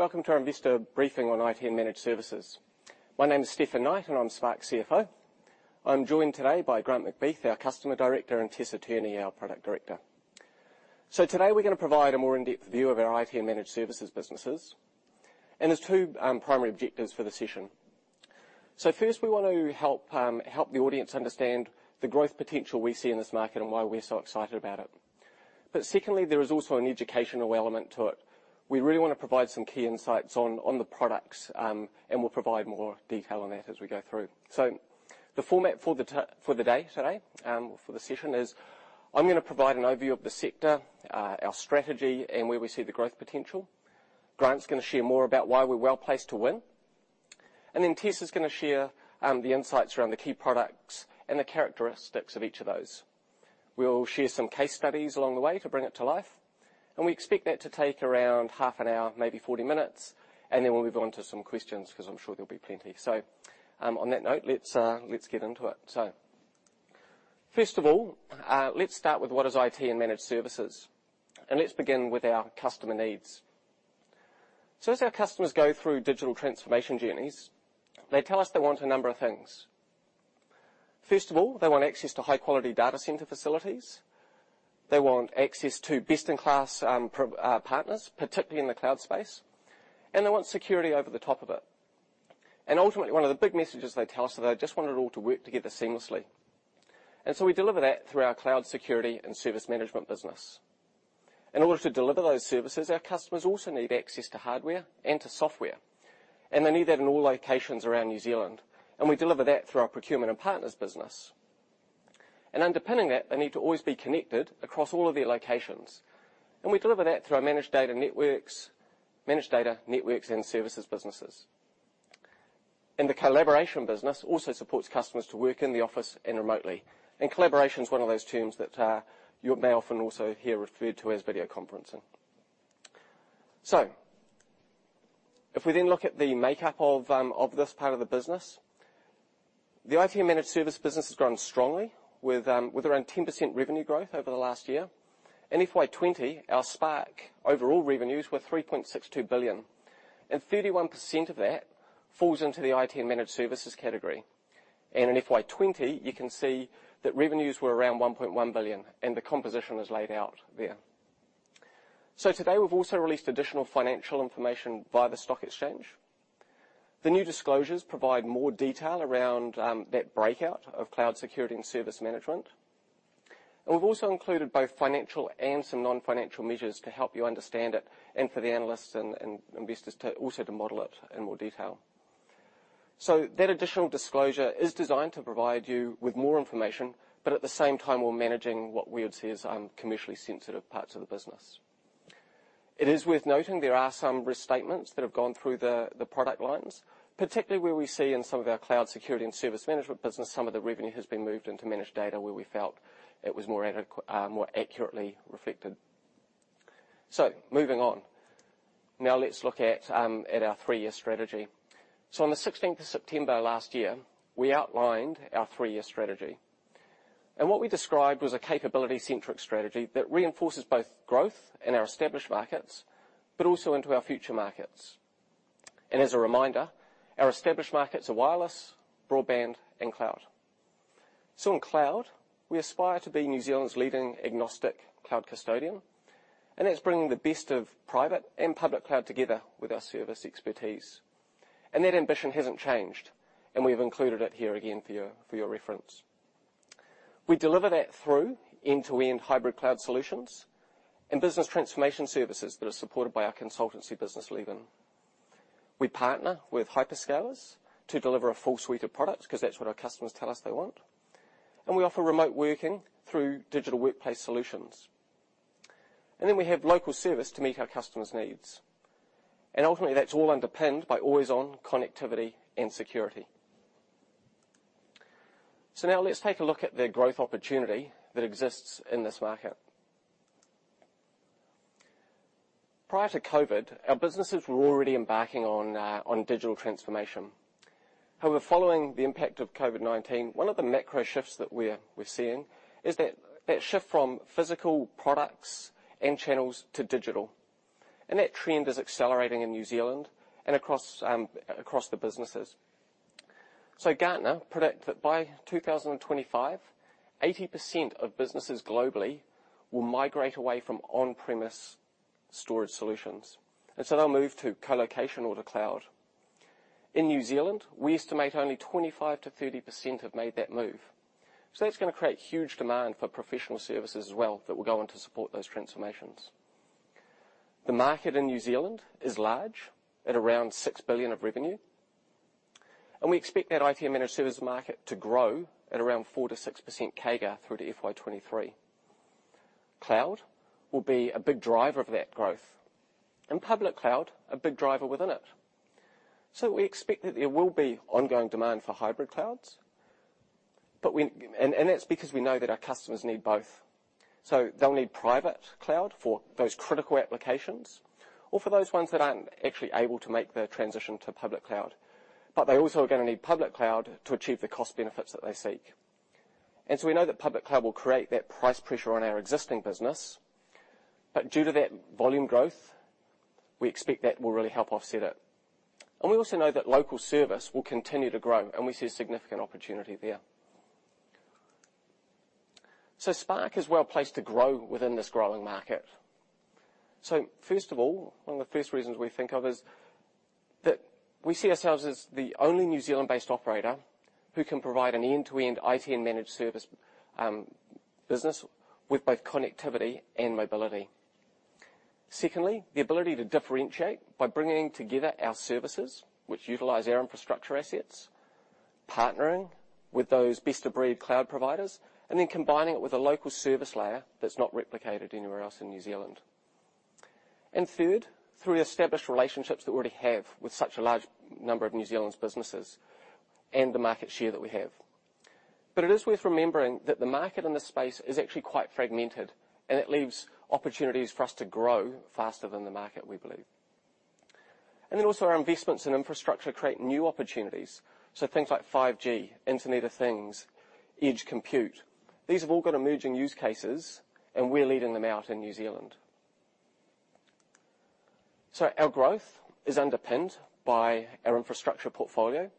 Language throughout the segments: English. Welcome to our investor briefing on IT and Managed Services. My name is Stefan Knight, and I'm Spark CFO. I'm joined today by Grant McBeath, our Customer Director, and Tessa Tierney, our Product Director. Today, we're going to provide a more in-depth view of our IT and Managed Services businesses. There's two primary objectives for the session. First, we want to help the audience understand the growth potential we see in this market and why we're so excited about it. Secondly, there is also an educational element to it. We really want to provide some key insights on the products, and we'll provide more detail on that as we go through. The format for the day today, for the session is I'm going to provide an overview of the sector, our strategy, and where we see the growth potential. Grant is going to share more about why we're well-placed to win. Tessa is going to share the insights around the key products and the characteristics of each of those. We'll share some case studies along the way to bring it to life, and we expect that to take around half an hour, maybe 40 minutes. We'll move on to some questions because I'm sure there'll be plenty. On that note, let's get into it. First of all, let's start with what is IT and Managed Services. Let's begin with our customer needs. As our customers go through digital transformation journeys, they tell us they want a number of things. First of all, they want access to high-quality data center facilities. They want access to best-in-class partners, particularly in the cloud space. They want security over the top of it. Ultimately, one of the big messages they tell us is they just want it all to work together seamlessly. We deliver that through our cloud security and service management business. In order to deliver those services, our customers also need access to hardware and to software, and they need that in all locations around New Zealand. We deliver that through our procurement and partners business. Underpinning that, they need to always be connected across all of their locations. We deliver that through our managed data networks and services businesses. The collaboration business also supports customers to work in the office and remotely. Collaboration is one of those terms that you may often also hear referred to as video conferencing. If we then look at the makeup of this part of the business. The IT and Managed Service business has grown strongly with around 10% revenue growth over the last year. In FY2020, our Spark overall revenues were 3.62 billion, and 31% of that falls into the IT and Managed Services category. In FY2020, you can see that revenues were around 1.1 billion, and the composition is laid out there. Today, we've also released additional financial information via the stock exchange. The new disclosures provide more detail around that breakout of cloud security and service management. We've also included both financial and some non-financial measures to help you understand it and for the analysts and investors also to model it in more detail. That additional disclosure is designed to provide you with more information, but at the same time, we're managing what we would see as commercially sensitive parts of the business. It is worth noting there are some restatements that have gone through the product lines, particularly where we see in some of our cloud security and service management business, some of the revenue has been moved into managed data where we felt it was more accurately reflected. Moving on. Now let's look at our three-year strategy. On the 16th of September last year, we outlined our three-year strategy, and what we described was a capability-centric strategy that reinforces both growth in our established markets, but also into our future markets. As a reminder, our established markets are wireless, broadband, and cloud. In cloud, we aspire to be New Zealand's leading agnostic cloud custodian, and that's bringing the best of private and public cloud together with our service expertise. That ambition hasn't changed, and we've included it here again for your reference. We deliver that through end-to-end hybrid cloud solutions and business transformation services that are supported by our consultancy business, Leaven. We partner with hyperscalers to deliver a full suite of products because that's what our customers tell us they want. We offer remote working through digital workplace solutions. We have local service to meet our customers' needs. Ultimately, that's all underpinned by always-on connectivity and security. Now let's take a look at the growth opportunity that exists in this market. Prior to COVID, our businesses were already embarking on digital transformation. However, following the impact of COVID-19, one of the macro shifts that we're seeing is that shift from physical products and channels to digital. That trend is accelerating in New Zealand and across the businesses. Gartner predict that by 2025, 80% of businesses globally will migrate away from on-premise storage solutions. They'll move to colocation or to cloud. In New Zealand, we estimate only 25%-30% have made that move. That's going to create huge demand for professional services as well that will go on to support those transformations. The market in New Zealand is large at around 6 billion of revenue, and we expect that IT and Managed Services market to grow at around 4%-6% CAGR through to FY2023. Cloud will be a big driver of that growth, and public cloud a big driver within it. We expect that there will be ongoing demand for hybrid clouds, and that's because we know that our customers need both. They'll need private cloud for those critical applications or for those ones that aren't actually able to make the transition to public cloud. They also are going to need public cloud to achieve the cost benefits that they seek. We know that public cloud will create that price pressure on our existing business. Due to that volume growth, we expect that will really help offset it. We also know that local service will continue to grow, and we see a significant opportunity there. Spark is well-placed to grow within this growing market. First of all, one of the first reasons we think of is that we see ourselves as the only New Zealand-based operator who can provide an end-to-end IT and managed service business with both connectivity and mobility. Secondly, the ability to differentiate by bringing together our services, which utilize our infrastructure assets, partnering with those best-of-breed cloud providers, and then combining it with a local service layer that's not replicated anywhere else in New Zealand. Third, through established relationships that we already have with such a large number of New Zealand's businesses and the market share that we have. It is worth remembering that the market in this space is actually quite fragmented, and it leaves opportunities for us to grow faster than the market, we believe. Also our investments in infrastructure create new opportunities, things like 5G, Internet of Things, edge compute. These have all got emerging use cases, and we're leading them out in New Zealand. Our growth is underpinned by our infrastructure portfolio.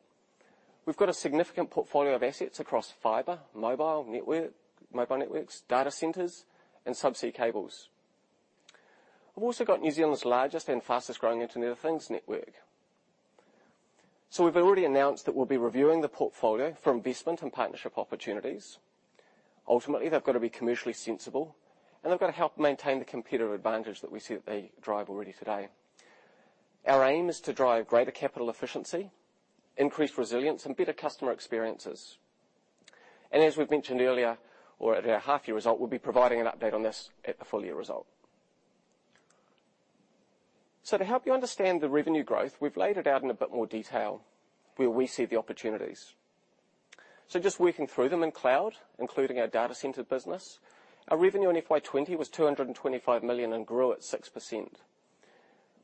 We've got a significant portfolio of assets across fiber, mobile networks, data centers, and subsea cables. We've also got New Zealand's largest and fastest-growing Internet of Things network. We've already announced that we'll be reviewing the portfolio for investment and partnership opportunities. Ultimately, they've got to be commercially sensible, and they've got to help maintain the competitive advantage that we see that they drive already today. Our aim is to drive greater capital efficiency, increased resilience, and better customer experiences. As we've mentioned earlier or at our half-year result, we'll be providing an update on this at the full-year result. To help you understand the revenue growth, we've laid it out in a bit more detail where we see the opportunities. Just working through them in cloud, including our data center business, our revenue in FY 2020 was 225 million and grew at 6%.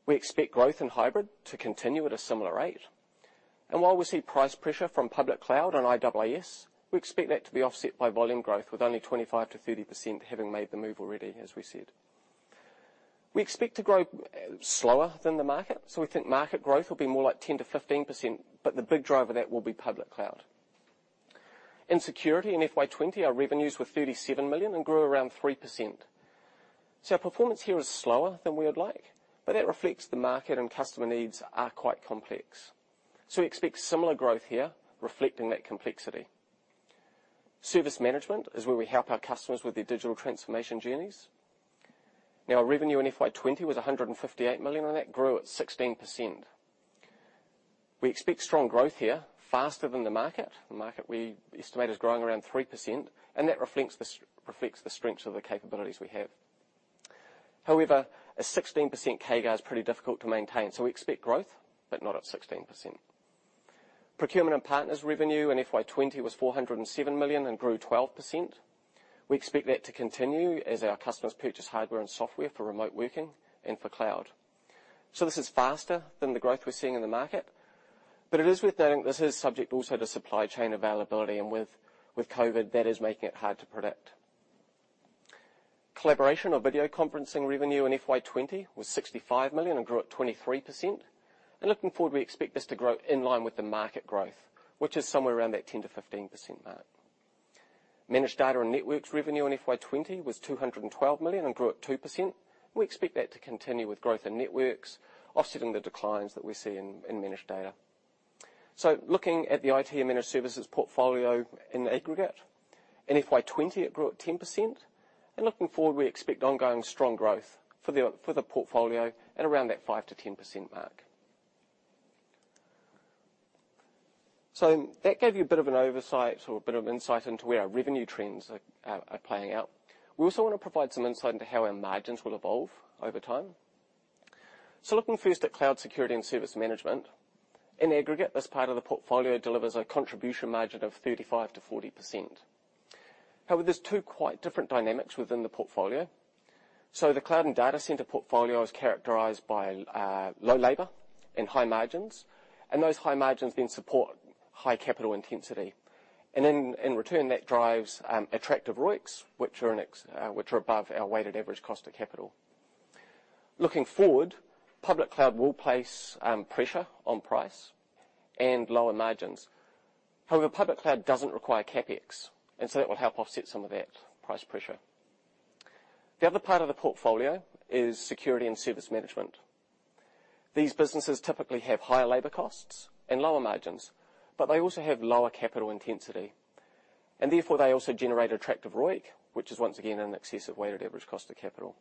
We expect growth in Hybrid to continue at a similar rate. While we see price pressure from public cloud and IaaS, we expect that to be offset by volume growth with only 25%-30% having made the move already, as we said. We expect to grow slower than the market. We think market growth will be more like 10%-15%, but the big driver of that will be public cloud. In Security in FY 2020, our revenues were 37 million and grew around 3%. Our performance here is slower than we would like, but that reflects the market and customer needs are quite complex. We expect similar growth here reflecting that complexity. Service management is where we help our customers with their digital transformation journeys. Revenue in FY 2020 was 158 million, and that grew at 16%. We expect strong growth here faster than the market. The market we estimate is growing around 3%, and that reflects the strengths of the capabilities we have. However, a 16% CAGR is pretty difficult to maintain, so we expect growth, but not at 16%. Procurement and partners revenue in FY 2020 was 407 million and grew 12%. We expect that to continue as our customers purchase hardware and software for remote working and for cloud. This is faster than the growth we're seeing in the market, but it is worth noting this is subject also to supply chain availability, and with COVID-19, that is making it hard to predict. Collaboration or video conferencing revenue in FY 2020 was 65 million and grew at 23%. Looking forward, we expect this to grow in line with the market growth, which is somewhere around that 10%-15% mark. Managed data and networks revenue in FY 2020 was 212 million and grew at 2%. We expect that to continue with growth in networks offsetting the declines that we see in managed data. Looking at the IT and Managed Services portfolio in aggregate, in FY 2020 it grew at 10%. Looking forward, we expect ongoing strong growth for the portfolio at around that 5%-10% mark. That gave you a bit of an oversight or a bit of insight into where our revenue trends are playing out. We also want to provide some insight into how our margins will evolve over time. Looking first at Cloud Security and Service Management. In aggregate, this part of the portfolio delivers a contribution margin of 35%-40%. However, there's two quite different dynamics within the portfolio. The cloud and data center portfolio is characterized by low labor and high margins. Those high margins then support high capital intensity. In return, that drives attractive ROICs, which are above our weighted average cost of capital. Looking forward, public cloud will place pressure on price and lower margins. Public cloud doesn't require CapEx, and so that will help offset some of that price pressure. The other part of the portfolio is Security and Service Management. These businesses typically have higher labor costs and lower margins, but they also have lower capital intensity. Therefore, they also generate attractive ROIC, which is once again in excess of weighted average cost of capital.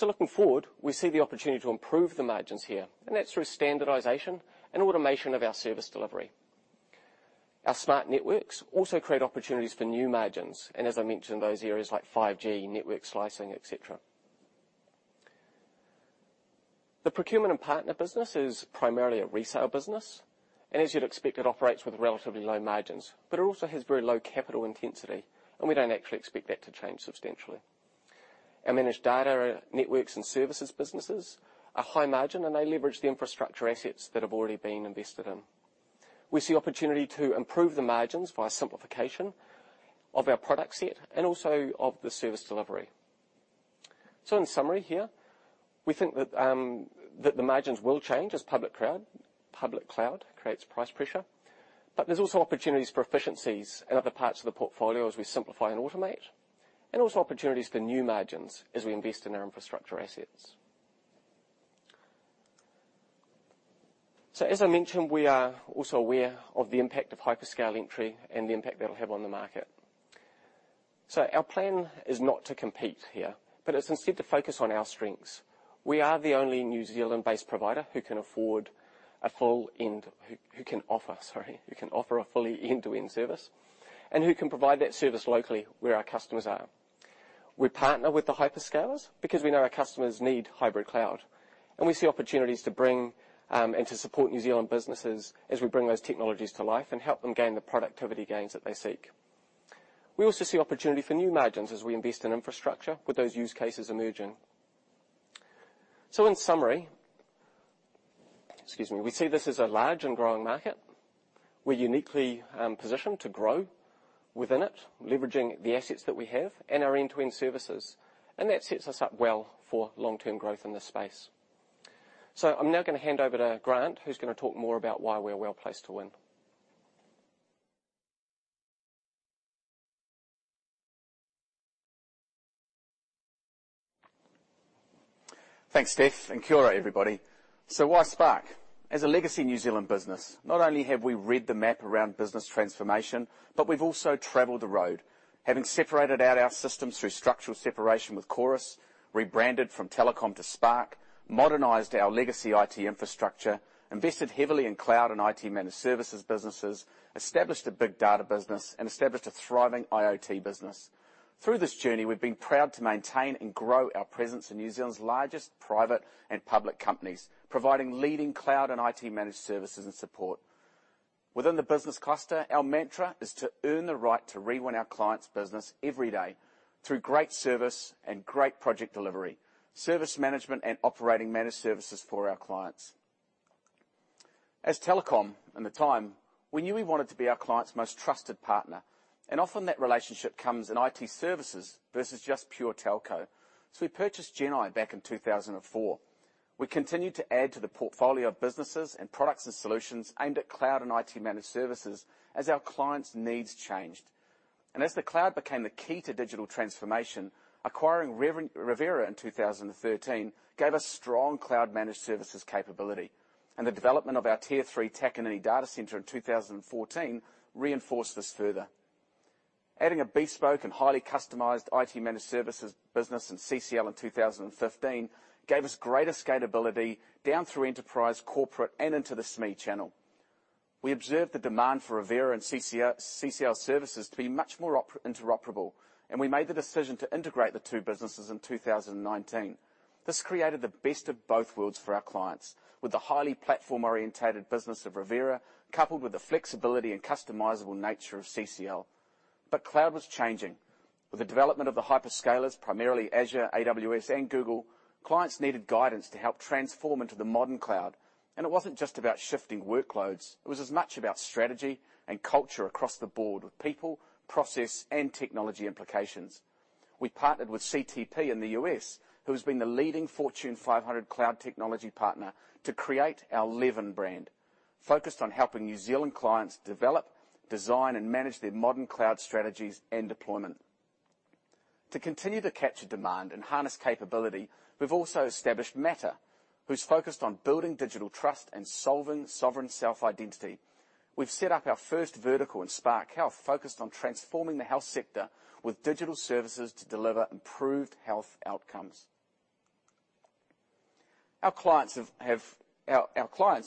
Looking forward, we see the opportunity to improve the margins here, and that's through standardization and automation of our service delivery. Our smart networks also create opportunities for new margins, and as I mentioned, those areas like 5G, network slicing, et cetera. The procurement and partner business is primarily a resale business. As you'd expect, it operates with relatively low margins. It also has very low capital intensity, and we don't actually expect that to change substantially. Our managed data networks and services businesses are high margin, and they leverage the infrastructure assets that have already been invested in. We see opportunity to improve the margins via simplification of our product set and also of the service delivery. In summary here, we think that the margins will change as public cloud creates price pressure. There's also opportunities for efficiencies in other parts of the portfolio as we simplify and automate, and also opportunities for new margins as we invest in our infrastructure assets. As I mentioned, we are also aware of the impact of hyperscale entry and the impact that'll have on the market. Our plan is not to compete here, but it's instead to focus on our strengths. We are the only New Zealand-based provider who can offer a fully end-to-end service and who can provide that service locally where our customers are. We partner with the hyperscalers because we know our customers need hybrid cloud. We see opportunities to bring and to support New Zealand businesses as we bring those technologies to life and help them gain the productivity gains that they seek. We also see opportunity for new margins as we invest in infrastructure with those use cases emerging. In summary, we see this as a large and growing market. We're uniquely positioned to grow within it, leveraging the assets that we have and our end-to-end services, and that sets us up well for long-term growth in this space. I'm now going to hand over to Grant, who's going to talk more about why we're well-placed to win. Thanks, Steph, and kia ora, everybody. Why Spark? As a legacy New Zealand business, not only have we read the map around business transformation, but we've also traveled the road. Having separated out our systems through structural separation with Chorus, rebranded from Telecom to Spark, modernized our legacy IT infrastructure, invested heavily in cloud and IT managed services businesses, established a big data business, and established a thriving IoT business. Through this journey, we've been proud to maintain and grow our presence in New Zealand's largest private and public companies, providing leading cloud and IT managed services and support. Within the business cluster, our mantra is to earn the right to re-win our clients' business every day through great service and great project delivery, service management, and operating managed services for our clients. As Telecom, in the time, we knew we wanted to be our clients' most trusted partner, and often that relationship comes in IT services versus just pure telco. We purchased Gen-I back in 2004. We continued to add to the portfolio of businesses and products and solutions aimed at cloud and IT managed services as our clients' needs changed. As the cloud became the key to digital transformation, acquiring Revera in 2013 gave us strong cloud-managed services capability, and the development of our Tier III Takanini data center in 2014 reinforced this further. Adding a bespoke and highly customized IT managed services business in CCL in 2015 gave us greater scalability down through enterprise, corporate, and into the SME channel. We observed the demand for Revera and CCL services to be much more interoperable, and we made the decision to integrate the two businesses in 2019. This created the best of both worlds for our clients. With the highly platform-oriented business of Revera, coupled with the flexibility and customizable nature of CCL. Cloud was changing. With the development of the hyperscalers, primarily Azure, AWS, and Google, clients needed guidance to help transform into the modern cloud. It wasn't just about shifting workloads. It was as much about strategy and culture across the board with people, process, and technology implications. We partnered with CTP in the U.S., who has been the leading Fortune 500 cloud technology partner, to create our Leaven brand, focused on helping New Zealand clients develop, design, and manage their modern cloud strategies and deployment. To continue to capture demand and harness capability, we've also established MATTR, who's focused on building digital trust and solving sovereign self-identity. We've set up our first vertical in Spark Health, focused on transforming the health sector with digital services to deliver improved health outcomes. Our clients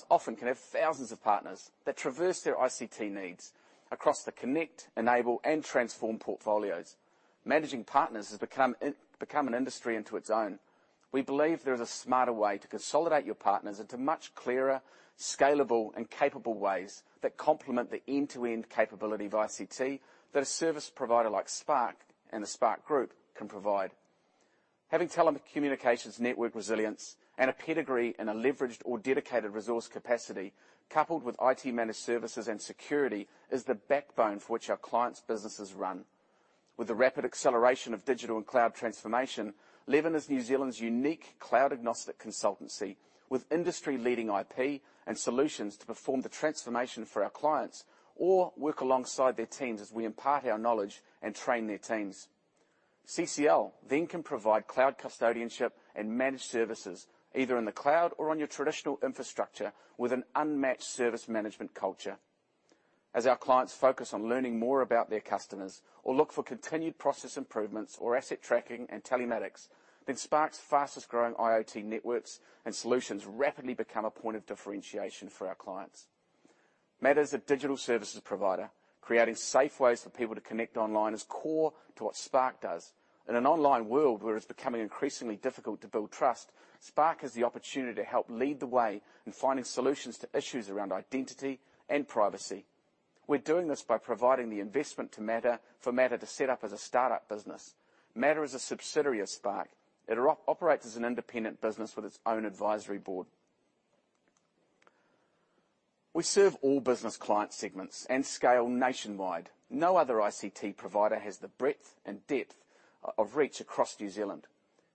often can have thousands of partners that traverse their ICT needs across the connect, enable, and transform portfolios. Managing partners has become an industry into its own. We believe there is a smarter way to consolidate your partners into much clearer, scalable, and capable ways that complement the end-to-end capability of ICT that a service provider like Spark and the Spark group can provide. Having telecommunications network resilience and a pedigree in a leveraged or dedicated resource capacity coupled with IT managed services and security is the backbone for which our clients' businesses run. With the rapid acceleration of digital and cloud transformation, Leaven is New Zealand's unique cloud agnostic consultancy with industry-leading IP and solutions to perform the transformation for our clients or work alongside their teams as we impart our knowledge and train their teams. CCL can provide cloud custodianship and managed services either in the cloud or on your traditional infrastructure with an unmatched service management culture. As our clients focus on learning more about their customers or look for continued process improvements or asset tracking and telematics, Spark's fastest-growing IoT networks and solutions rapidly become a point of differentiation for our clients. MATTR is a digital services provider. Creating safe ways for people to connect online is core to what Spark does. In an online world where it's becoming increasingly difficult to build trust, Spark has the opportunity to help lead the way in finding solutions to issues around identity and privacy. We're doing this by providing the investment for MATTR to set up as a startup business. MATTR is a subsidiary of Spark. It operates as an independent business with its own advisory board. We serve all business client segments and scale nationwide. No other ICT provider has the breadth and depth of reach across New Zealand.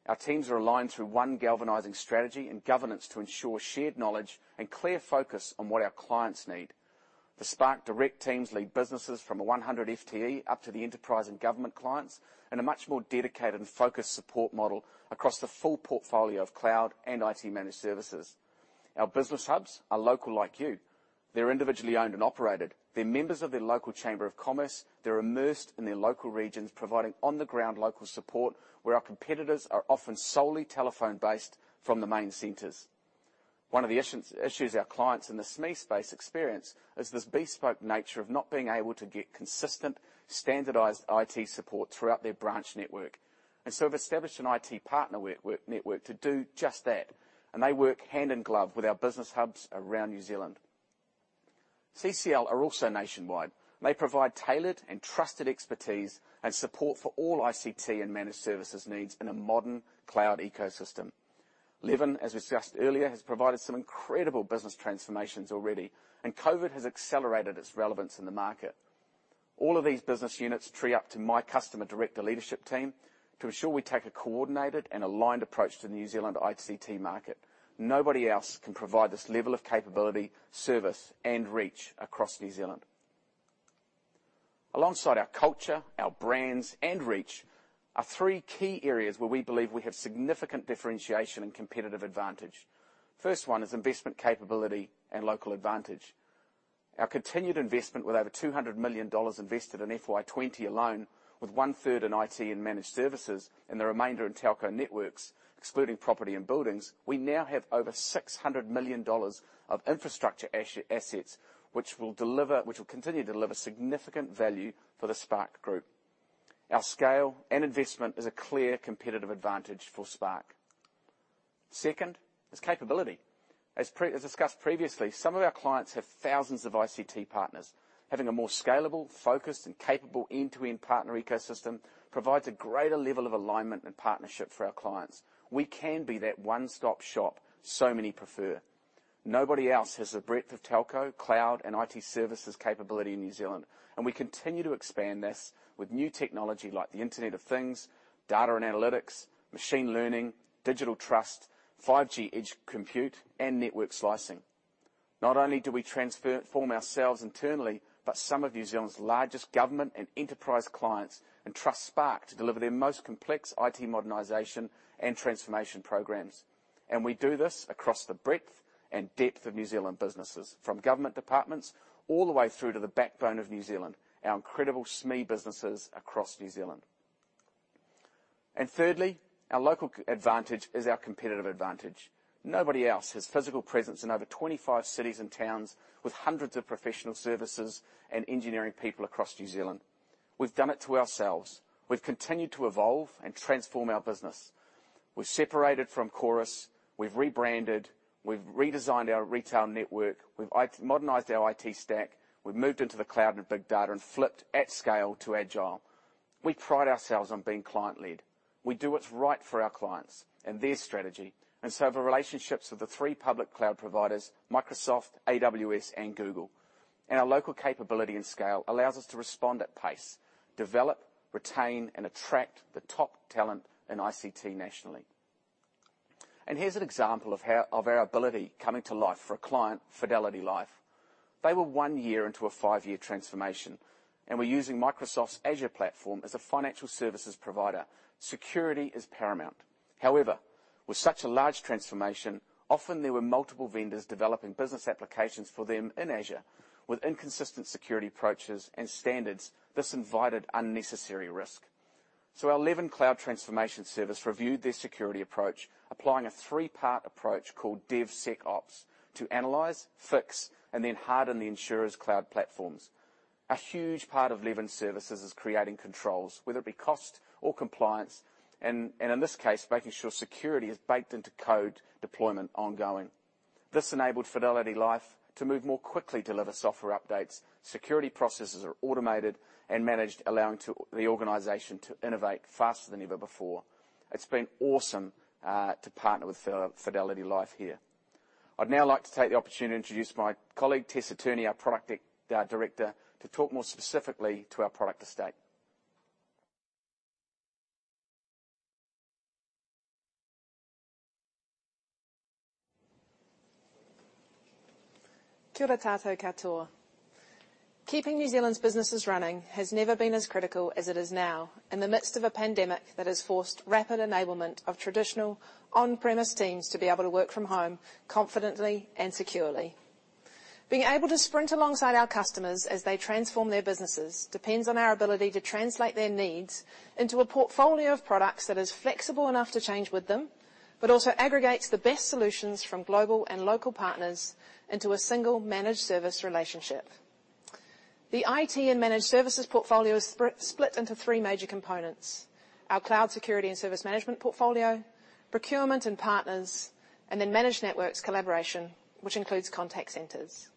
Our teams are aligned through one galvanizing strategy and governance to ensure shared knowledge and clear focus on what our clients need. The Spark direct teams lead businesses from a 100 FTE up to the enterprise and government clients in a much more dedicated and focused support model across the full portfolio of cloud and IT Managed Services. Our business hubs are local like you. They're individually owned and operated. They're members of their local chamber of commerce. They're immersed in their local regions, providing on-the-ground local support where our competitors are often solely telephone-based from the main centers. One of the issues our clients in the SME space experience is this bespoke nature of not being able to get consistent, standardized IT support throughout their branch network. We've established an IT partner network to do just that, and they work hand in glove with our business hubs around New Zealand. CCL are also nationwide. They provide tailored and trusted expertise and support for all ICT and Managed Services needs in a modern cloud ecosystem. Leaven, as discussed earlier, has provided some incredible business transformations already, and COVID has accelerated its relevance in the market. All of these business units tree up to my customer director leadership team to ensure we take a coordinated and aligned approach to the New Zealand ICT market. Nobody else can provide this level of capability, service, and reach across New Zealand. Alongside our culture, our brands, and reach, are three key areas where we believe we have significant differentiation and competitive advantage. First one is investment capability and local advantage. Our continued investment with over 200 million dollars invested in FY 2020 alone, with one-third in IT and Managed Services and the remainder in telco networks, excluding property and buildings. We now have over 600 million dollars of infrastructure assets, which will continue to deliver significant value for the Spark group. Our scale and investment is a clear competitive advantage for Spark. Second is capability. As discussed previously, some of our clients have thousands of ICT partners. Having a more scalable, focused, and capable end-to-end partner ecosystem provides a greater level of alignment and partnership for our clients. We can be that one-stop shop so many prefer. Nobody else has the breadth of telco, cloud, and IT services capability in New Zealand. We continue to expand this with new technology like the Internet of Things, data and analytics, machine learning, digital trust, 5G edge compute, and network slicing. Not only do we transform ourselves internally, but some of New Zealand's largest government and enterprise clients trust Spark to deliver their most complex IT modernization and transformation programs. We do this across the breadth and depth of New Zealand businesses, from government departments all the way through to the backbone of New Zealand, our incredible SME businesses across New Zealand. Thirdly, our local advantage is our competitive advantage. Nobody else has physical presence in over 25 cities and towns with hundreds of professional services and engineering people across New Zealand. We've done it to ourselves. We've continued to evolve and transform our business. We've separated from Chorus. We've rebranded. We've redesigned our retail network. We've modernized our IT stack. We've moved into the cloud and big data and flipped at scale to agile. We pride ourselves on being client-led. We do what's right for our clients and their strategy, the relationships with the three public cloud providers, Microsoft, AWS, and Google. Our local capability and scale allows us to respond at pace, develop, retain, and attract the top talent in ICT nationally. Here's an example of our ability coming to life for a client, Fidelity Life. They were one year into a five-year transformation and were using Microsoft's Azure platform as a financial services provider. Security is paramount. However, with such a large transformation, often there were multiple vendors developing business applications for them in Azure. With inconsistent security approaches and standards, this invited unnecessary risk. Our Leaven Cloud Transformation Service reviewed their security approach, applying a three-part approach called DevSecOps to analyze, fix, and then harden the insurer's cloud platforms. A huge part of Leaven Services is creating controls, whether it be cost or compliance. In this case, making sure security is baked into code deployment ongoing. This enabled Fidelity Life to move more quickly, deliver software updates. Security processes are automated and managed, allowing the organization to innovate faster than ever before. It's been awesome to partner with Fidelity Life here. I'd now like to take the opportunity to introduce my colleague, Tessa Tierney, our Product Director, to talk more specifically to our product estate. Keeping New Zealand's businesses running has never been as critical as it is now in the midst of a pandemic that has forced rapid enablement of traditional on-premise teams to be able to work from home confidently and securely. Being able to sprint alongside our customers as they transform their businesses depends on our ability to translate their needs into a portfolio of products that is flexible enough to change with them, but also aggregates the best solutions from global and local partners into a single managed service relationship. The IT and Managed Services portfolio is split into three major components. Our Cloud Security and Service Management portfolio, procurement and partners, and then managed networks collaboration, which includes contact centers.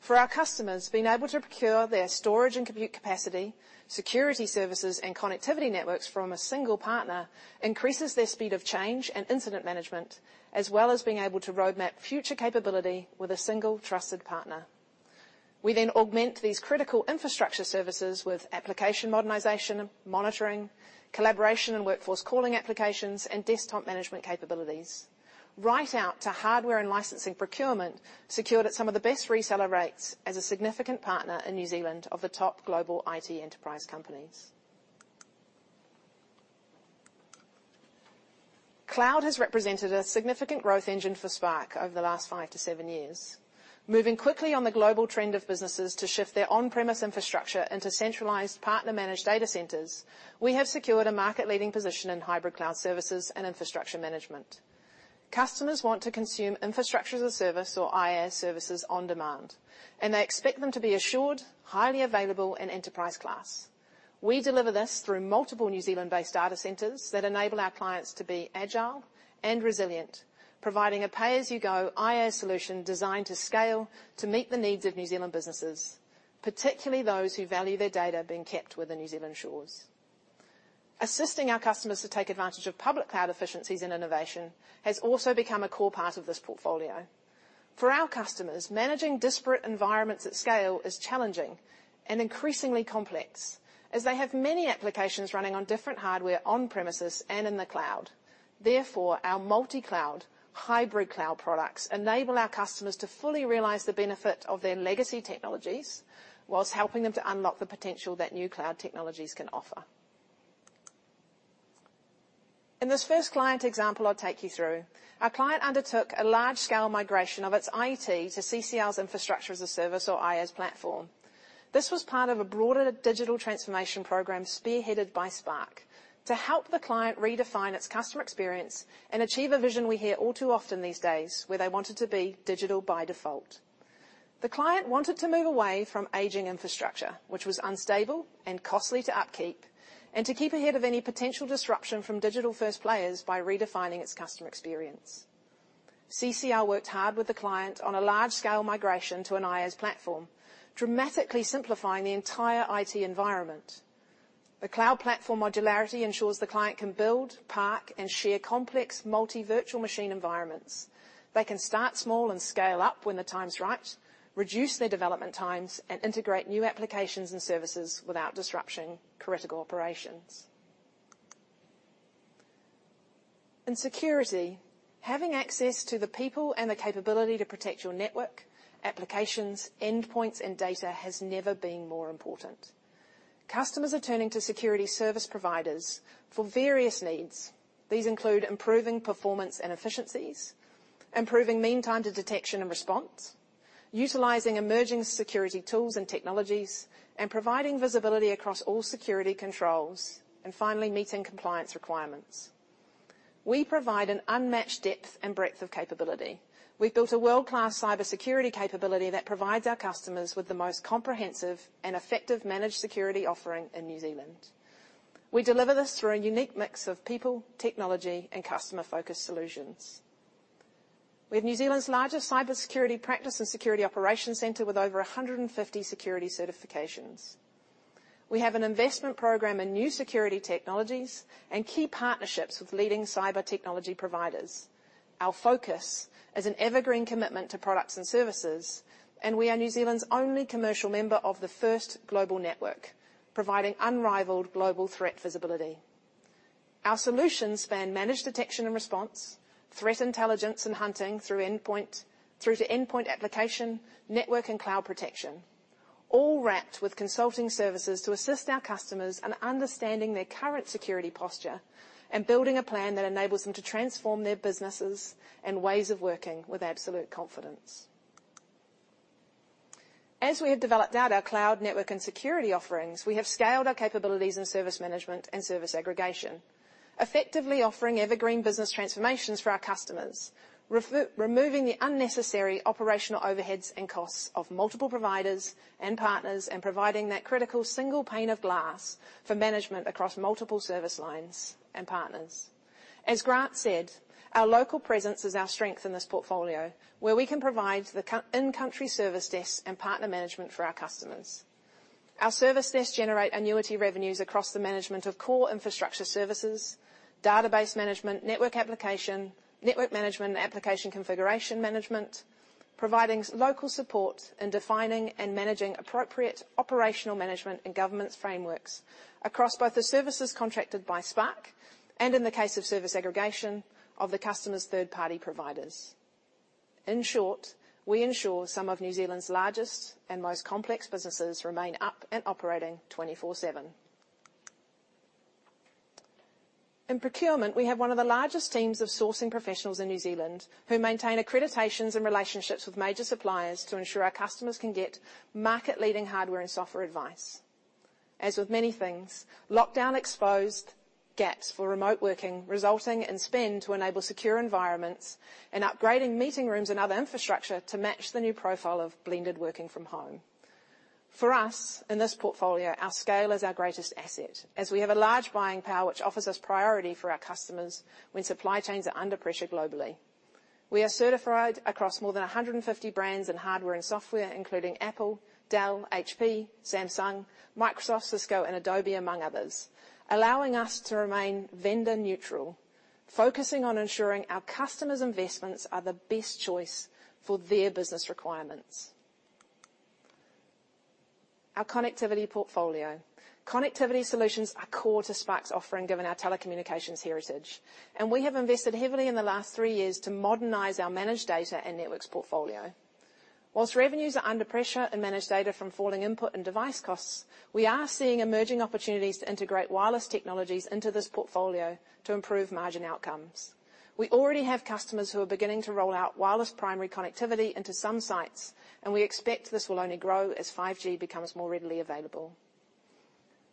For our customers, being able to procure their storage and compute capacity, security services, and connectivity networks from a single partner increases their speed of change and incident management, as well as being able to roadmap future capability with a single trusted partner. We augment these critical infrastructure services with application modernization, monitoring, collaboration and workforce calling applications, and desktop management capabilities right out to hardware and licensing procurement secured at some of the best reseller rates as a significant partner in New Zealand of the top global IT enterprise companies. cloud has represented a significant growth engine for Spark over the last five to seven years. Moving quickly on the global trend of businesses to shift their on-premise infrastructure into centralized partner-managed data centers, we have secured a market-leading position in hybrid cloud services and infrastructure management. Customers want to consume infrastructure as a service or IaaS services on demand, and they expect them to be assured, highly available, and enterprise class. We deliver this through multiple New Zealand-based data centers that enable our clients to be agile and resilient, providing a pay-as-you-go IaaS solution designed to scale to meet the needs of New Zealand businesses, particularly those who value their data being kept within New Zealand shores. Assisting our customers to take advantage of public cloud efficiencies and innovation has also become a core part of this portfolio. For our customers, managing disparate environments at scale is challenging and increasingly complex as they have many applications running on different hardware on premises and in the cloud. Therefore, our multi-cloud, hybrid cloud products enable our customers to fully realize the benefit of their legacy technologies whilst helping them to unlock the potential that new cloud technologies can offer. In this first client example I'll take you through, a client undertook a large-scale migration of its IT to CCL's Infrastructure as a Service or IaaS platform. This was part of a broader digital transformation program spearheaded by Spark to help the client redefine its customer experience and achieve a vision we hear all too often these days where they wanted to be digital by default. The client wanted to move away from aging infrastructure, which was unstable and costly to upkeep, and to keep ahead of any potential disruption from digital-first players by redefining its customer experience. CCL worked hard with the client on a large-scale migration to an IaaS platform, dramatically simplifying the entire IT environment. The cloud platform modularity ensures the client can build, park, and share complex multi virtual machine environments. They can start small and scale up when the time's right, reduce their development times, and integrate new applications and services without disrupting critical operations. In security, having access to the people and the capability to protect your network, applications, endpoints, and data has never been more important. Customers are turning to security service providers for various needs. These include improving performance and efficiencies, improving mean time to detection and response, utilizing emerging security tools and technologies, and providing visibility across all security controls, and finally, meeting compliance requirements. We provide an unmatched depth and breadth of capability. We've built a world-class cybersecurity capability that provides our customers with the most comprehensive and effective managed security offering in New Zealand. We deliver this through a unique mix of people, technology, and customer-focused solutions. We have New Zealand's largest cybersecurity practice and security operations center with over 150 security certifications. We have an investment program in new security technologies and key partnerships with leading cyber technology providers. Our focus is an evergreen commitment to products and services, and we are New Zealand's only commercial member of the FIRST global network, providing unrivaled global threat visibility. Our solutions span managed detection and response, threat intelligence and hunting through to endpoint application, network and cloud protection, all wrapped with consulting services to assist our customers in understanding their current security posture and building a plan that enables them to transform their businesses and ways of working with absolute confidence. As we have developed out our cloud network and security offerings, we have scaled our capabilities in service management and service aggregation, effectively offering evergreen business transformations for our customers. Removing the unnecessary operational overheads and costs of multiple providers and partners and providing that critical single pane of glass for management across multiple service lines and partners. As Grant said, our local presence is our strength in this portfolio, where we can provide the in-country service desk and partner management for our customers. Our service desks generate annuity revenues across the management of core infrastructure services, database management, network management and application configuration management. Providing local support in defining and managing appropriate operational management and governance frameworks across both the services contracted by Spark and in the case of service aggregation of the customer's third-party providers. In short, we ensure some of New Zealand's largest and most complex businesses remain up and operating 24/7. In procurement, we have one of the largest teams of sourcing professionals in New Zealand who maintain accreditations and relationships with major suppliers to ensure our customers can get market-leading hardware and software advice. As with many things, lockdown exposed gaps for remote working, resulting in spend to enable secure environments and upgrading meeting rooms and other infrastructure to match the new profile of blended working from home. For us, in this portfolio, our scale is our greatest asset, as we have a large buying power, which offers us priority for our customers when supply chains are under pressure globally. We are certified across more than 150 brands in hardware and software, including Apple, Dell, HP, Samsung, Microsoft, Cisco, and Adobe, among others, allowing us to remain vendor neutral, focusing on ensuring our customers' investments are the best choice for their business requirements. Our connectivity portfolio. Connectivity solutions are core to Spark's offering given our telecommunications heritage, and we have invested heavily in the last three years to modernize our managed data and networks portfolio. Whilst revenues are under pressure in managed data from falling input and device costs, we are seeing emerging opportunities to integrate wireless technologies into this portfolio to improve margin outcomes. We already have customers who are beginning to roll out wireless primary connectivity into some sites, and we expect this will only grow as 5G becomes more readily available.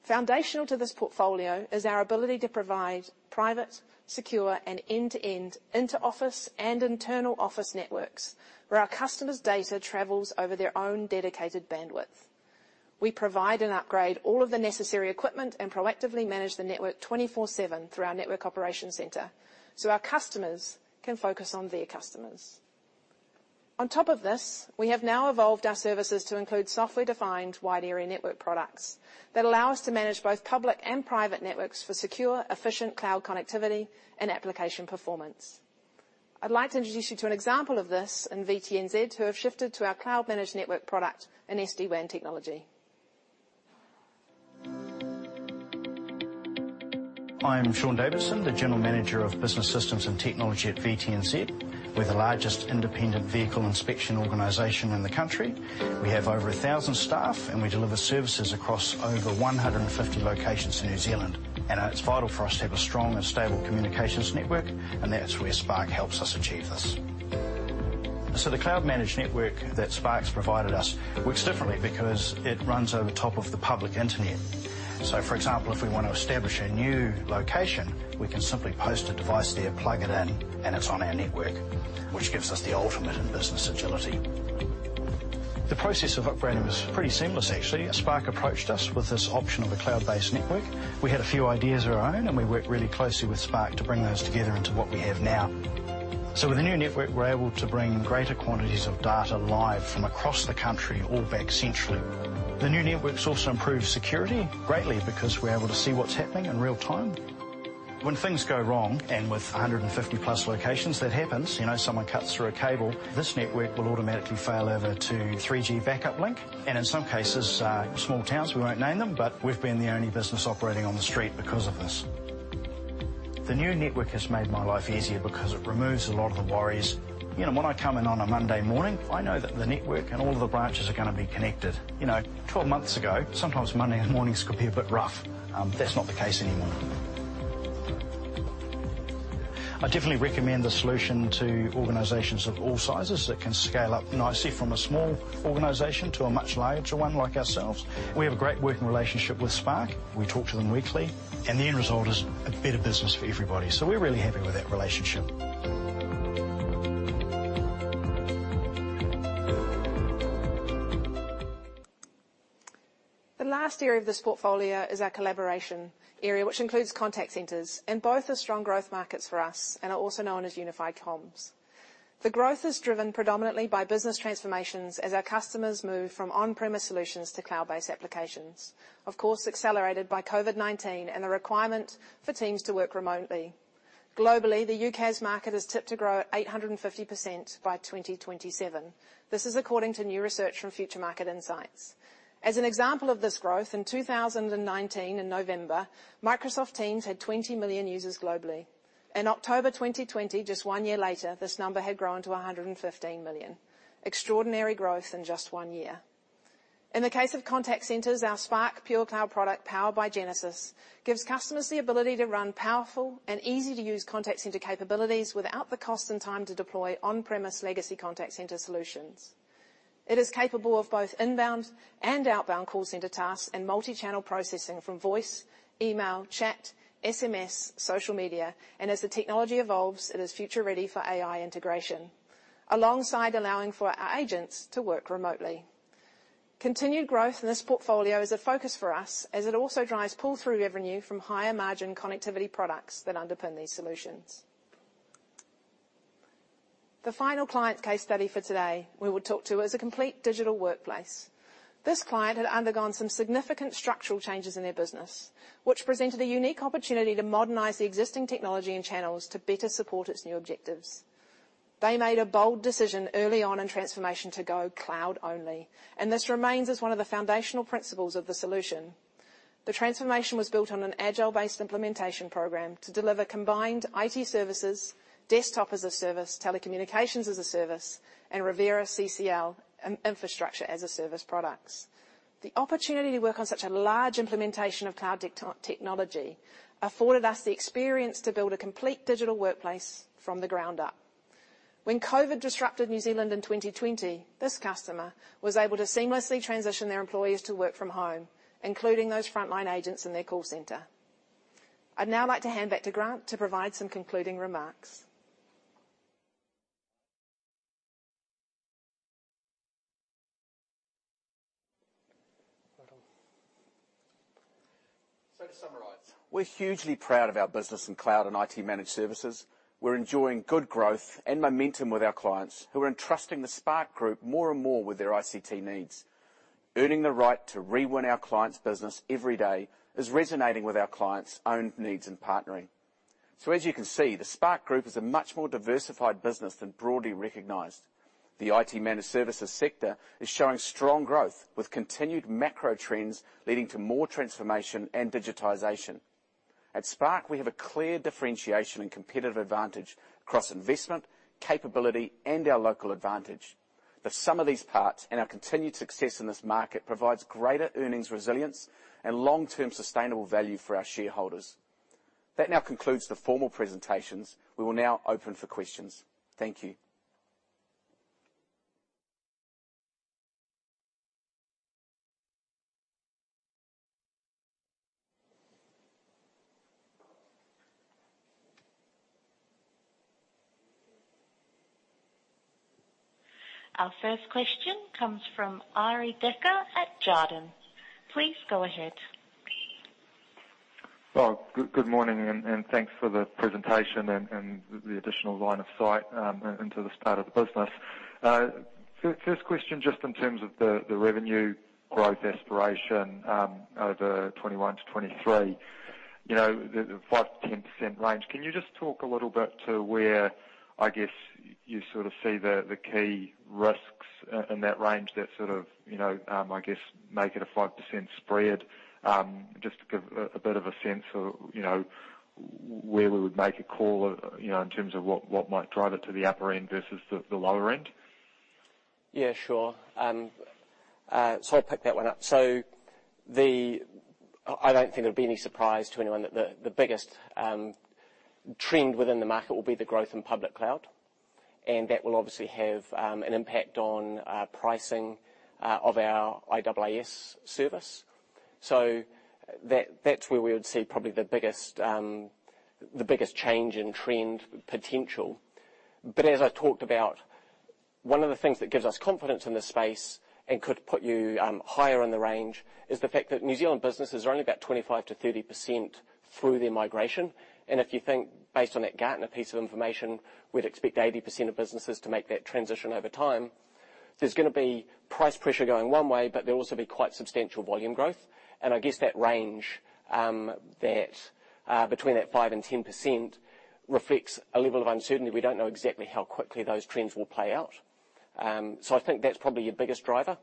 Foundational to this portfolio is our ability to provide private, secure, and end-to-end interoffice and internal office networks, where our customers' data travels over their own dedicated bandwidth. We provide and upgrade all of the necessary equipment and proactively manage the network 24/7 through our network operations center so our customers can focus on their customers. On top of this, we have now evolved our services to include software-defined wide area network products that allow us to manage both public and private networks for secure, efficient cloud connectivity and application performance. I'd like to introduce you to an example of this in VTNZ, who have shifted to our cloud-managed network product and SD-WAN technology. I'm Sean Davidson, the General Manager of Business Systems and Technology at VTNZ. We're the largest independent vehicle inspection organization in the country. We have over 1,000 staff, and we deliver services across over 150 locations in New Zealand. It's vital for us to have a strong and stable communications network, and that's where Spark helps us achieve this. The cloud-managed network that Spark's provided us works differently because it runs over top of the public internet. For example, if we want to establish a new location, we can simply post a device there, plug it in, and it's on our network, which gives us the ultimate in business agility. The process of upgrading was pretty seamless, actually. Spark approached us with this option of a cloud-based network. We had a few ideas of our own. We worked really closely with Spark to bring those together into what we have now. With the new network, we're able to bring greater quantities of data live from across the country all back centrally. The new network's also improved security greatly because we're able to see what's happening in real time. When things go wrong, and with 150+ locations, that happens. Someone cuts through a cable. This network will automatically failover to 3G backup link, and in some cases, small towns, we won't name them, but we've been the only business operating on the street because of this. The new network has made my life easier because it removes a lot of the worries. When I come in on a Monday morning, I know that the network and all of the branches are gonna be connected. 12 months ago, sometimes Monday mornings could be a bit rough. That's not the case anymore. I definitely recommend the solution to organizations of all sizes that can scale up nicely from a small organization to a much larger one like ourselves. We have a great working relationship with Spark. We talk to them weekly. The end result is a better business for everybody. We're really happy with that relationship. The last area of this portfolio is our collaboration area, which includes contact centers, and both are strong growth markets for us and are also known as unified comms. The growth is driven predominantly by business transformations as our customers move from on-premise solutions to cloud-based applications. Of course, accelerated by COVID-19 and the requirement for teams to work remotely. Globally, the UCaaS market is tipped to grow at 850% by 2027. This is according to new research from Future Market Insights. As an example of this growth, in 2019 in November, Microsoft Teams had 20 million users globally. In October 2020, just one year later, this number had grown to 115 million. Extraordinary growth in just one year. In the case of contact centers, our Spark PureCloud product, powered by Genesys, gives customers the ability to run powerful and easy-to-use contact center capabilities without the cost and time to deploy on-premise legacy contact center solutions. It is capable of both inbound and outbound call center tasks and multichannel processing from voice, email, chat, SMS, social media, and as the technology evolves, it is future ready for AI integration, alongside allowing for our agents to work remotely. Continued growth in this portfolio is a focus for us as it also drives pull-through revenue from higher margin connectivity products that underpin these solutions. The final client case study for today we will talk to is a complete digital workplace. This client had undergone some significant structural changes in their business, which presented a unique opportunity to modernize the existing technology and channels to better support its new objectives. They made a bold decision early on in transformation to go cloud-only, and this remains as one of the foundational principles of the solution. The transformation was built on an agile-based implementation program to deliver combined IT services, desktop as a service, telecommunications as a service, and Revera CCL infrastructure as a service products. The opportunity to work on such a large implementation of cloud technology afforded us the experience to build a complete digital workplace from the ground up. When COVID disrupted New Zealand in 2020, this customer was able to seamlessly transition their employees to work from home, including those frontline agents in their call center. I'd now like to hand back to Grant to provide some concluding remarks. To summarize, we're hugely proud of our business in Cloud and IT Managed Services. We're enjoying good growth and momentum with our clients, who are entrusting the Spark group more and more with their ICT needs. Earning the right to re-win our clients' business every day is resonating with our clients' own needs in partnering. As you can see, the Spark group is a much more diversified business than broadly recognized. The IT Managed Services sector is showing strong growth, with continued macro trends leading to more transformation and digitization. At Spark, we have a clear differentiation and competitive advantage across investment, capability, and our local advantage. The sum of these parts and our continued success in this market provides greater earnings resilience and long-term sustainable value for our shareholders. That now concludes the formal presentations. We will now open for questions. Thank you. Our first question comes from Arie Dekker at Jarden. Please go ahead. Good morning and thanks for the presentation and the additional line of sight into the start of the business. First question, just in terms of the revenue growth aspiration over 2021 to 2023, the 5%-10% range. Can you just talk a little bit to where, I guess, you sort of see the key risks in that range that sort of, I guess, make it a 5% spread? Just to give a bit of a sense of where we would make a call in terms of what might drive it to the upper end versus the lower end. Yeah, sure. I'll pick that one up. I don't think it'll be any surprise to anyone that the biggest trend within the market will be the growth in public cloud. That will obviously have an impact on pricing of our IaaS service. That's where we would see probably the biggest change in trend potential. As I talked about, one of the things that gives us confidence in this space and could put you higher in the range, is the fact that New Zealand businesses are only about 25%-30% through their migration. If you think based on that Gartner piece of information, we'd expect 80% of businesses to make that transition over time. There's going to be price pressure going one way, but there'll also be quite substantial volume growth. I guess that range between that 5% and 10% reflects a level of uncertainty. We don't know exactly how quickly those trends will play out. I think that's probably your biggest driver.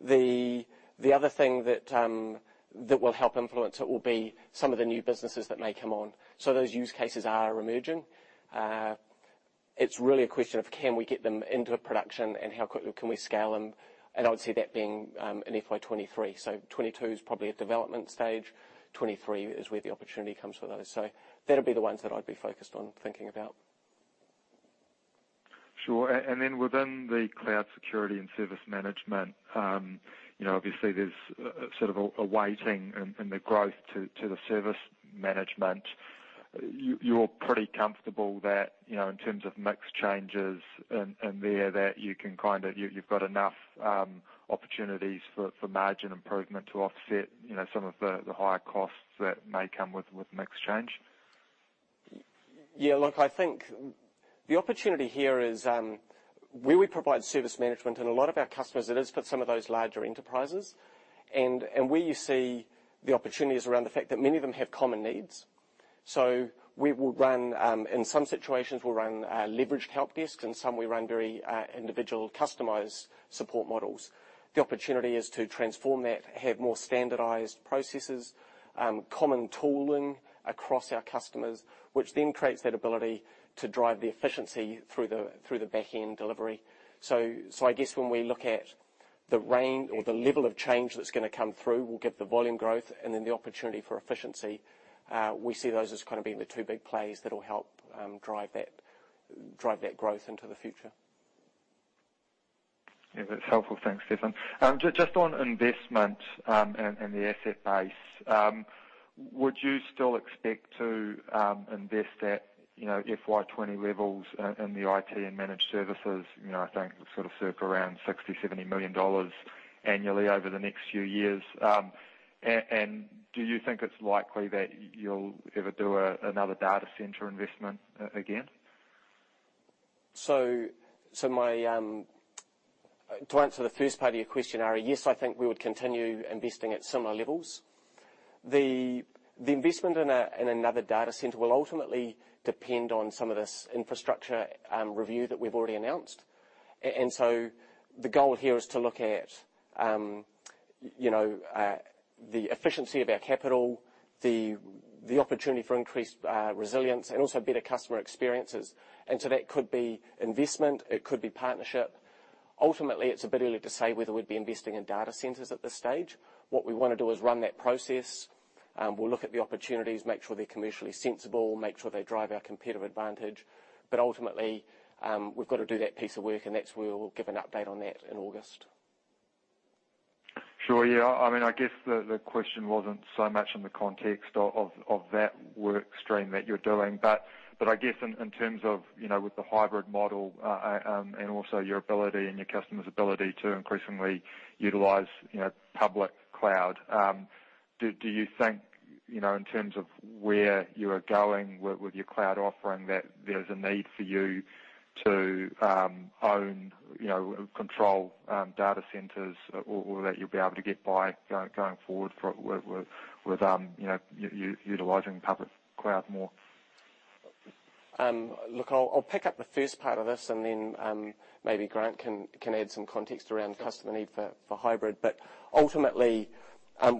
The other thing that will help influence it will be some of the new businesses that may come on. Those use cases are emerging. It's really a question of can we get them into production and how quickly can we scale them? I'd say that being in FY 2023. FY 2022 is probably a development stage. FY 2023 is where the opportunity comes with those. That'll be the ones that I'd be focused on thinking about. Sure. Within the cloud security and service management, obviously there's sort of a weighting in the growth to the service management. You're pretty comfortable that in terms of mix changes in there, that you've got enough opportunities for margin improvement to offset some of the higher costs that may come with mix change? Yeah, look, I think the opportunity here is where we provide service management, and a lot of our customers, it is for some of those larger enterprises. Where you see the opportunities around the fact that many of them have common needs. In some situations, we'll run leveraged help desks, in some, we run very individual customized support models. The opportunity is to transform that, have more standardized processes, common tooling across our customers, which then creates that ability to drive the efficiency through the back-end delivery. I guess when we look at the range or the level of change that's going to come through will give the volume growth and then the opportunity for efficiency. We see those as kind of being the two big plays that'll help drive that growth into the future. Yeah. That's helpful. Thanks, Stefan. Just on investment and the asset base. Would you still expect to invest at FY 2020 levels in the IT and Managed Services? I think sort of circle around 60 million-70 million dollars annually over the next few years. Do you think it's likely that you'll ever do another data center investment again? To answer the first part of your question, Arie, yes, I think we would continue investing at similar levels. The investment in another data center will ultimately depend on some of this infrastructure review that we've already announced. The goal here is to look at the efficiency of our capital, the opportunity for increased resilience, and also better customer experiences. That could be investment, it could be partnership. Ultimately, it's a bit early to say whether we'd be investing in data centers at this stage. What we want to do is run that process. We'll look at the opportunities, make sure they're commercially sensible, make sure they drive our competitive advantage. Ultimately, we've got to do that piece of work, and that's where we'll give an update on that in August. Sure. Yeah. I guess the question wasn't so much in the context of that work stream that you're doing, but I guess in terms of with the hybrid model, and also your ability and your customers' ability to increasingly utilize public cloud, do you think, in terms of where you are going with your cloud offering, that there's a need for you to own and control data centers or that you'll be able to get by going forward with utilizing public cloud more? Look, I'll pick up the first part of this, and then maybe Grant can add some context around customer need for hybrid. Ultimately,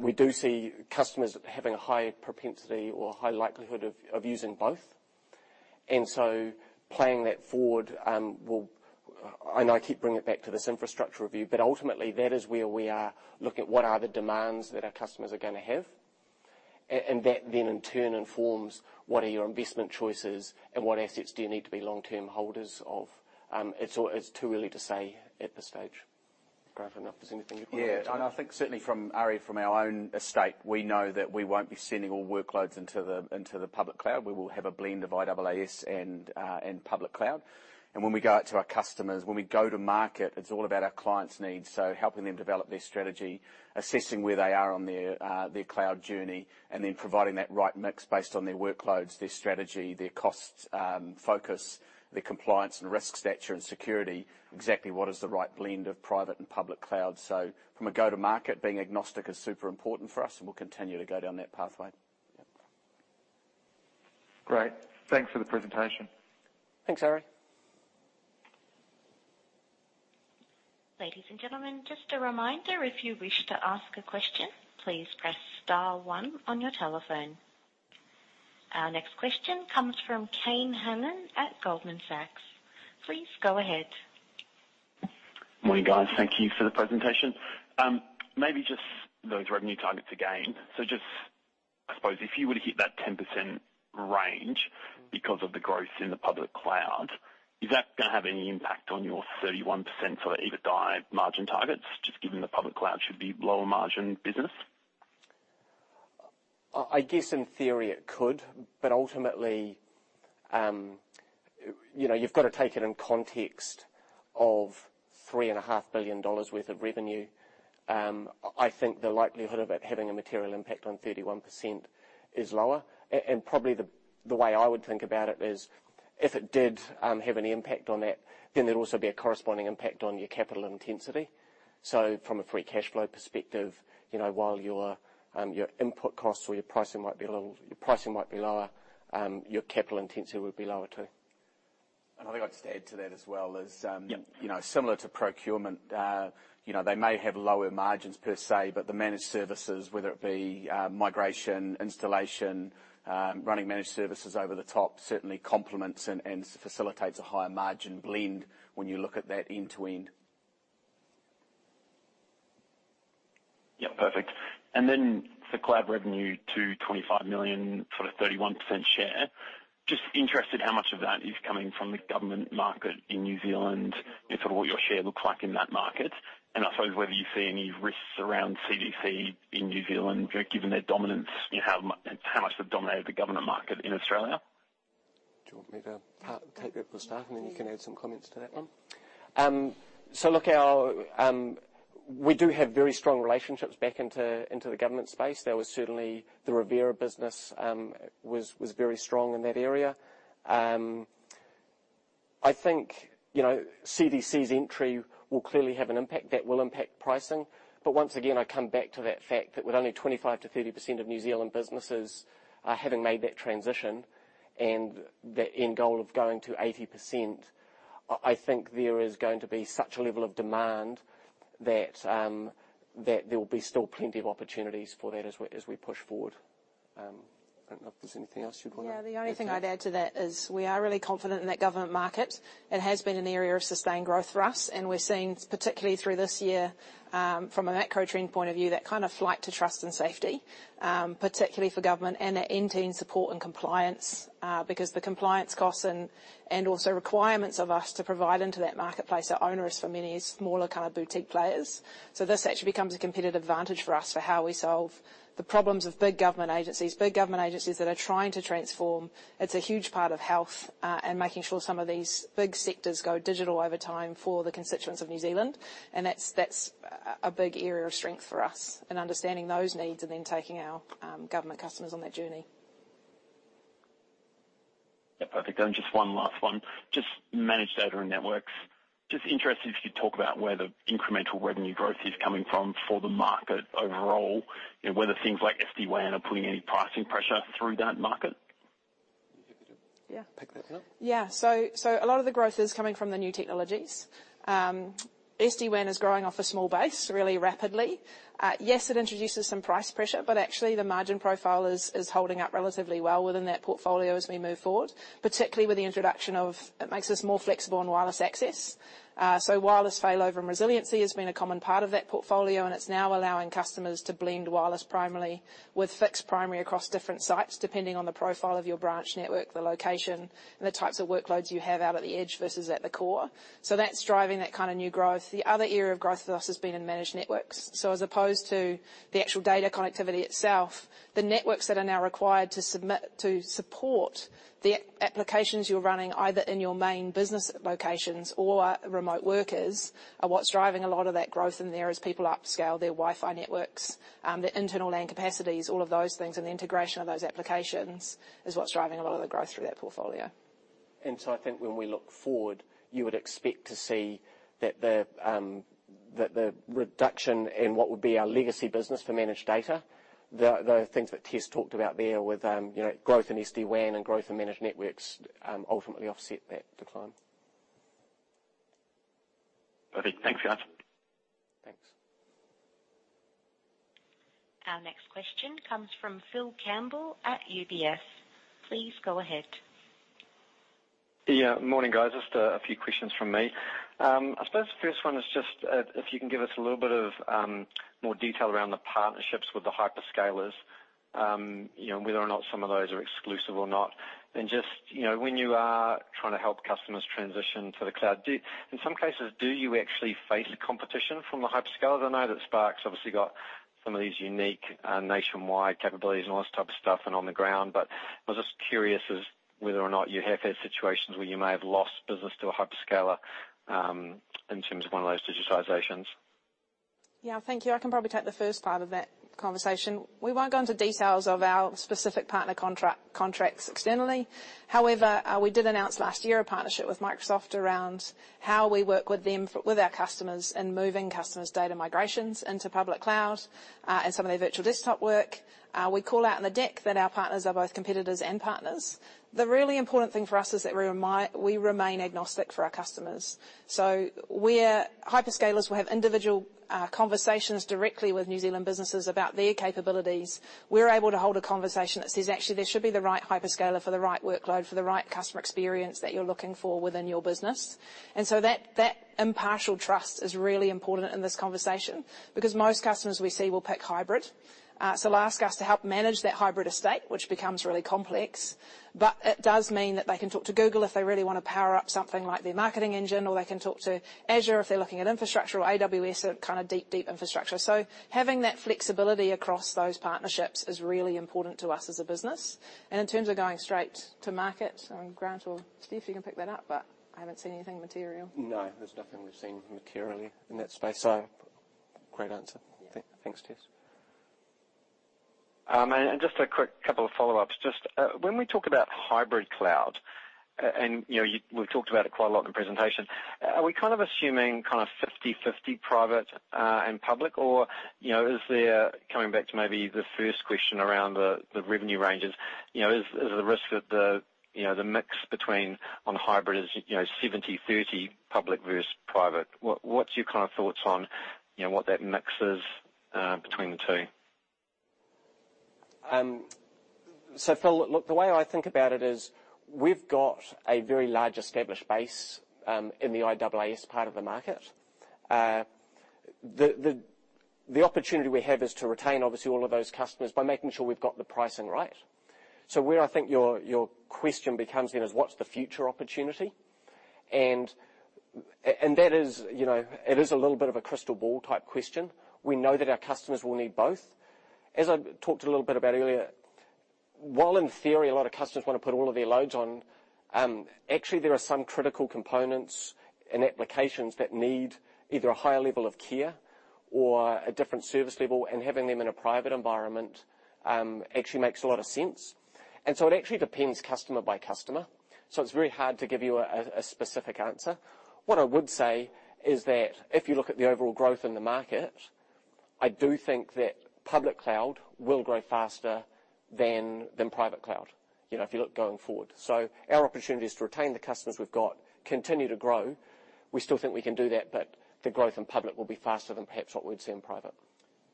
we do see customers having a high propensity or high likelihood of using both. Playing that forward, I keep bringing it back to this infrastructure review, ultimately, that is where we are looking at what are the demands that our customers are going to have. That then in turn informs what are your investment choices and what assets do you need to be long-term holders of. It's too early to say at this stage. Grant, I don't know if there's anything you'd want to add to that. Yeah. I think certainly from Arie, from our own estate, we know that we won't be sending all workloads into the public cloud. We will have a blend of IaaS and public cloud. When we go out to our customers, when we go to market, it's all about our clients' needs. Helping them develop their strategy, assessing where they are on their cloud journey, then providing that right mix based on their workloads, their strategy, their costs, focus, their compliance and risk stature, and security, exactly what is the right blend of private and public cloud. From a go-to-market, being agnostic is super important for us, and we'll continue to go down that pathway. Great. Thanks for the presentation. Thanks, Arie. Ladies and gentlemen, just a reminder, if you wish to ask a question, please press star one on your telephone. Our next question comes from Kane Hannan at Goldman Sachs. Please go ahead. Morning, guys. Thank you for the presentation. Maybe just those revenue targets again. Just, I suppose, if you were to hit that 10% range because of the growth in the public cloud, is that going to have any impact on your 31% for the EBITDA margin targets, just given the public cloud should be lower margin business? I guess in theory it could, but ultimately, you've got to take it in context of 3.5 billion dollars worth of revenue. I think the likelihood of it having a material impact on 31% is lower. Probably the way I would think about it is if it did have any impact on that, then there'd also be a corresponding impact on your capital intensity. From a free cash flow perspective, while your input costs or your pricing might be lower, your capital intensity would be lower too. I think I'd just add to that as well is. Yeah similar to procurement, they may have lower margins per se, but the managed services, whether it be migration, installation, running managed services over the top, certainly complements and facilitates a higher margin blend when you look at that end-to-end. Yeah, perfect. For cloud revenue to 25 million, sort of 31% share, just interested how much of that is coming from the government market in New Zealand and sort of what your share looks like in that market. I suppose whether you see any risks around CDC in New Zealand, given their dominance, how much they've dominated the government market in Australia. Do you want me to take that for start, and then you can add some comments to that one? We do have very strong relationships back into the government space. There was certainly the Revera business was very strong in that area. I think CDC's entry will clearly have an impact. That will impact pricing. But once again, I come back to that fact that with only 25%-30% of New Zealand businesses are having made that transition and that end goal of going to 80%, I think there is going to be such a level of demand that there will be still plenty of opportunities for that as we push forward. I don't know if there's anything else you'd want to add to that. Yeah. The only thing I'd add to that is we are really confident in that government market. It has been an area of sustained growth for us, and we're seeing particularly through this year, from a macro trend point of view, that kind of flight to trust and safety, particularly for government and that end-to-end support and compliance, because the compliance costs and also requirements of us to provide into that marketplace are onerous for many smaller kind of boutique players. This actually becomes a competitive advantage for us for how we solve the problems of big government agencies, big government agencies that are trying to transform. It's a huge part of health, and making sure some of these big sectors go digital over time for the constituents of New Zealand. That's a big area of strength for us and understanding those needs and then taking our government customers on that journey. Yeah. Perfect. Just one last one. Just managed data and networks. Just interested if you'd talk about where the incremental revenue growth is coming from for the market overall, whether things like SD-WAN are putting any pricing pressure through that market? Yeah. Pick that up. A lot of the growth is coming from the new technologies. SD-WAN is growing off a small base really rapidly. Yes, it introduces some price pressure, but actually the margin profile is holding up relatively well within that portfolio as we move forward. It makes us more flexible on wireless access. Wireless failover and resiliency has been a common part of that portfolio, and it's now allowing customers to blend wireless primarily with fixed primary across different sites, depending on the profile of your branch network, the location, and the types of workloads you have out at the edge versus at the core. That's driving that kind of new growth. The other area of growth with us has been in managed networks. As opposed to the actual data connectivity itself, the networks that are now required to support the applications you're running, either in your main business locations or remote workers, are what's driving a lot of that growth in there as people upscale their Wi-Fi networks, their internal LAN capacities, all of those things, and the integration of those applications is what's driving a lot of the growth through that portfolio. I think when we look forward, you would expect to see that the reduction in what would be our legacy business for managed data, the things that Tess talked about there with growth in SD-WAN and growth in managed networks ultimately offset that decline. Perfect. Thanks, Knight. Thanks. Our next question comes from Phil Campbell at UBS. Please go ahead. Morning, guys. Just a few questions from me. I suppose the first one is just if you can give us a little bit of more detail around the partnerships with the hyperscalers. Whether or not some of those are exclusive or not. Just when you are trying to help customers transition to the cloud, in some cases, do you actually face competition from the hyperscalers? I know that Spark's obviously got some of these unique nationwide capabilities and all this type of stuff and on the ground, I was just curious as whether or not you have had situations where you may have lost business to a hyperscaler in terms of one of those digitizations. Yeah. Thank you. I can probably take the first part of that conversation. We won't go into details of our specific partner contracts externally. However, we did announce last year a partnership with Microsoft around how we work with our customers in moving customers' data migrations into public cloud, and some of their virtual desktop work. We call out in the deck that our partners are both competitors and partners. The really important thing for us is that we remain agnostic for our customers. Where hyperscalers will have individual conversations directly with New Zealand businesses about their capabilities, we're able to hold a conversation that says, "Actually, there should be the right hyperscaler for the right workload, for the right customer experience that you're looking for within your business." That impartial trust is really important in this conversation because most customers we see will pick hybrid. They'll ask us to help manage that hybrid estate, which becomes really complex. It does mean that they can talk to Google if they really want to power up something like their marketing engine, or they can talk to Azure if they're looking at infrastructure or AWS at kind of deep infrastructure. Having that flexibility across those partnerships is really important to us as a business. In terms of going straight to market, Grant or Steph, you can pick that up, but I haven't seen anything material. No. There's nothing we've seen materially in that space. Great answer. Yeah. Thanks, Tess. Just a quick couple of follow-ups. When we talk about hybrid cloud, and we've talked about it quite a lot in the presentation, are we kind of assuming kind of 50/50 private and public, or is there coming back to maybe the first question around the revenue ranges, is the risk of the mix between on hybrid 70/30 public versus private? What's your kind of thoughts on what that mix is between the two? Phil, look, the way I think about it is we've got a very large established base in the IaaS part of the market. The opportunity we have is to retain obviously all of those customers by making sure we've got the pricing right. Where I think your question becomes then is what's the future opportunity? That is a little bit of a crystal ball type question. We know that our customers will need both. As I talked a little bit about earlier, while in theory, a lot of customers want to put all of their loads on, actually there are some critical components and applications that need either a higher level of care or a different service level, and having them in a private environment actually makes a lot of sense. It actually depends customer by customer. It's very hard to give you a specific answer. What I would say is that if you look at the overall growth in the market, I do think that public cloud will grow faster than private cloud, if you look going forward. Our opportunity is to retain the customers we've got, continue to grow. We still think we can do that, the growth in public will be faster than perhaps what we'd see in private.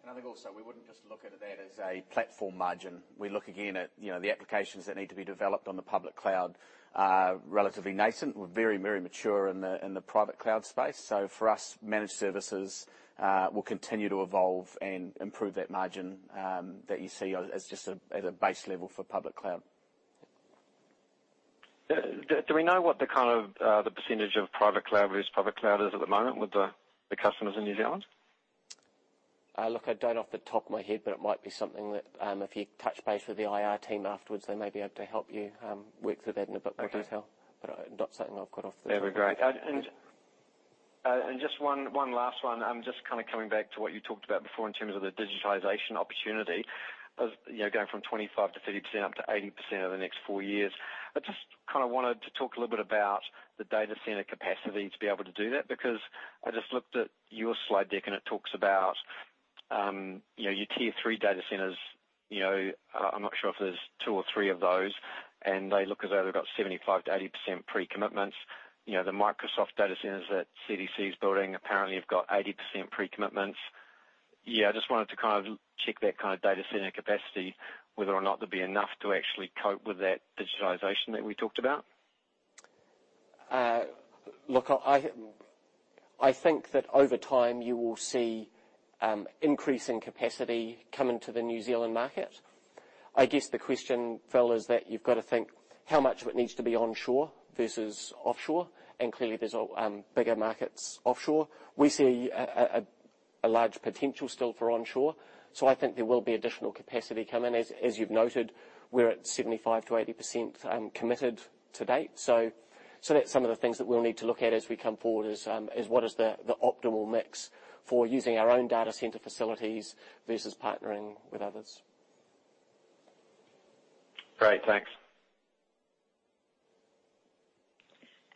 I think also we wouldn't just look at that as a platform margin. We look again at the applications that need to be developed on the public cloud, are relatively nascent. We're very mature in the private cloud space. For us, managed services will continue to evolve and improve that margin that you see as just at a base level for public cloud. Do we know what the kind of the percentage of private cloud versus public cloud is at the moment with the customers in New Zealand? Look, I don't off the top of my head, but it might be something that if you touch base with the IR team afterwards, they may be able to help you work through that in a bit more detail. Okay. Not something I've got off the top of my head. That'd be great. Just one last one. Just kind of coming back to what you talked about before in terms of the digitization opportunity of going from 25% to 30% up to 80% over the next four years. I just kind of wanted to talk a little bit about the data center capacity to be able to do that, because I just looked at your slide deck, and it talks about. Your Tier III data centers, I'm not sure if there's two or three of those, and they look as though they've got 75%-80% pre-commitments. The Microsoft data centers that CDC is building apparently have got 80% pre-commitments. Yeah, I just wanted to check that kind of data center capacity, whether or not there'd be enough to actually cope with that digitization that we talked about. I think that over time you will see increasing capacity come into the New Zealand market. I guess the question, Phil, is that you've got to think how much of it needs to be onshore versus offshore, and clearly there's bigger markets offshore. We see a large potential still for onshore. I think there will be additional capacity come in. As you've noted, we're at 75%-80% committed to date. That's some of the things that we'll need to look at as we come forward, is what is the optimal mix for using our own data center facilities versus partnering with others. Great. Thanks.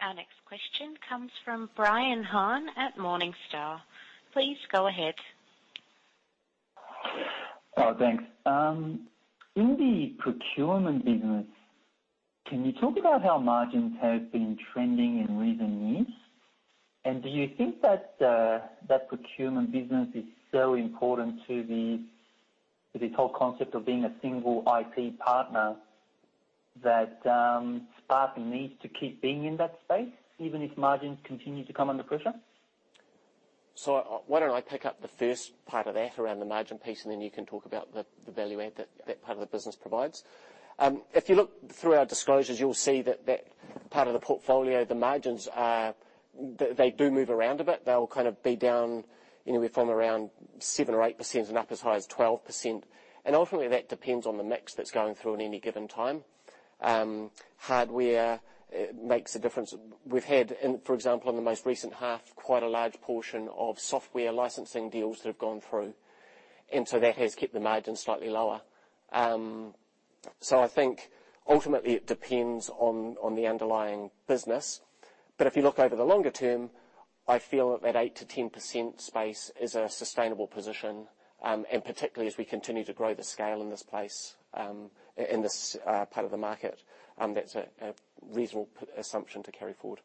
Our next question comes from Brian Han at Morningstar. Please go ahead. Oh, thanks. In the procurement business, can you talk about how margins have been trending in recent years? Do you think that procurement business is so important to this whole concept of being a single IT partner, that Spark needs to keep being in that space, even if margins continue to come under pressure? Why don't I pick up the first part of that around the margin piece, and then you can talk about the value add that that part of the business provides. If you look through our disclosures, you'll see that that part of the portfolio, the margins, they do move around a bit. They'll kind of be down anywhere from around 7% or 8% and up as high as 12%. Ultimately, that depends on the mix that's going through at any given time. Hardware makes a difference. We've had, for example, in the most recent half, quite a large portion of software licensing deals that have gone through, and so that has kept the margin slightly lower. I think ultimately it depends on the underlying business. If you look over the longer term, I feel that that 8%-10% space is a sustainable position, and particularly as we continue to grow the scale in this place, in this part of the market, that's a reasonable assumption to carry forward.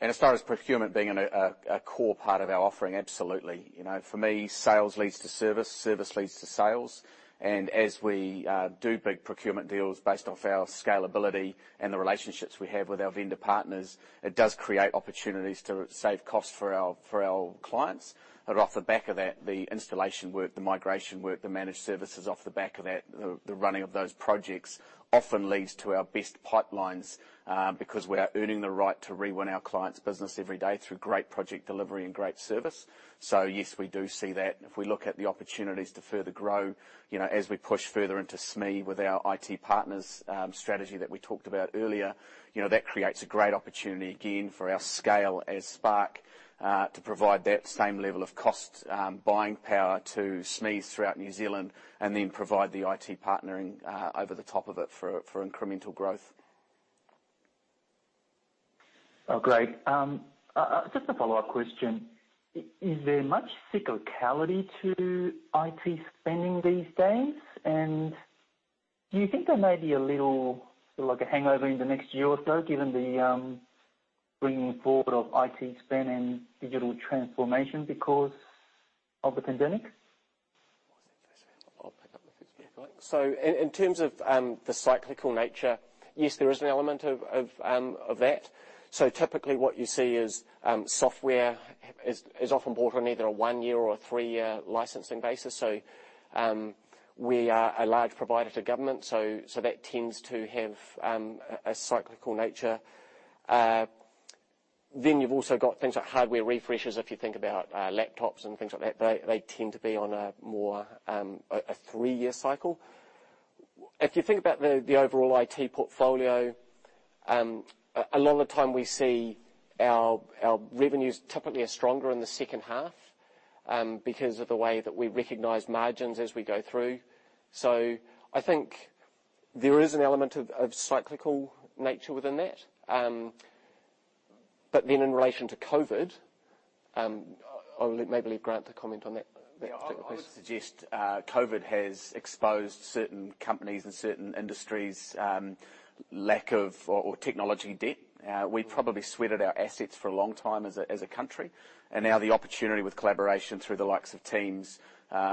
As far as procurement being a core part of our offering, absolutely. For me, sales leads to service leads to sales. As we do big procurement deals based off our scalability and the relationships we have with our vendor partners, it does create opportunities to save costs for our clients. Off the back of that, the installation work, the migration work, the managed services off the back of that, the running of those projects often leads to our best pipelines, because we are earning the right to re-win our clients' business every day through great project delivery and great service. Yes, we do see that. If we look at the opportunities to further grow as we push further into SME with our IT partners strategy that we talked about earlier, that creates a great opportunity again for our scale as Spark to provide that same level of cost buying power to SMEs throughout New Zealand, and then provide the IT partnering over the top of it for incremental growth. Oh, great. Just a follow-up question. Is there much cyclicality to IT spending these days? Do you think there may be a little sort of like a hangover in the next year or so given the bringing forward of IT spend and digital transformation because of the pandemic? In terms of the cyclical nature, yes, there is an element of that. Typically what you see is software is often bought on either a one-year or a three-year licensing basis. We are a large provider to government, so that tends to have a cyclical nature. You've also got things like hardware refreshes, if you think about laptops and things like that, they tend to be on a more three-year cycle. If you think about the overall IT portfolio, a lot of the time we see our revenues typically are stronger in the second half because of the way that we recognize margins as we go through. I think there is an element of cyclical nature within that. In relation to COVID, I'll maybe leave Grant to comment on that particular question. Yeah. I would suggest COVID has exposed certain companies and certain industries' lack of or technology debt. We probably sweated our assets for a long time as a country, and now the opportunity with collaboration through the likes of Teams,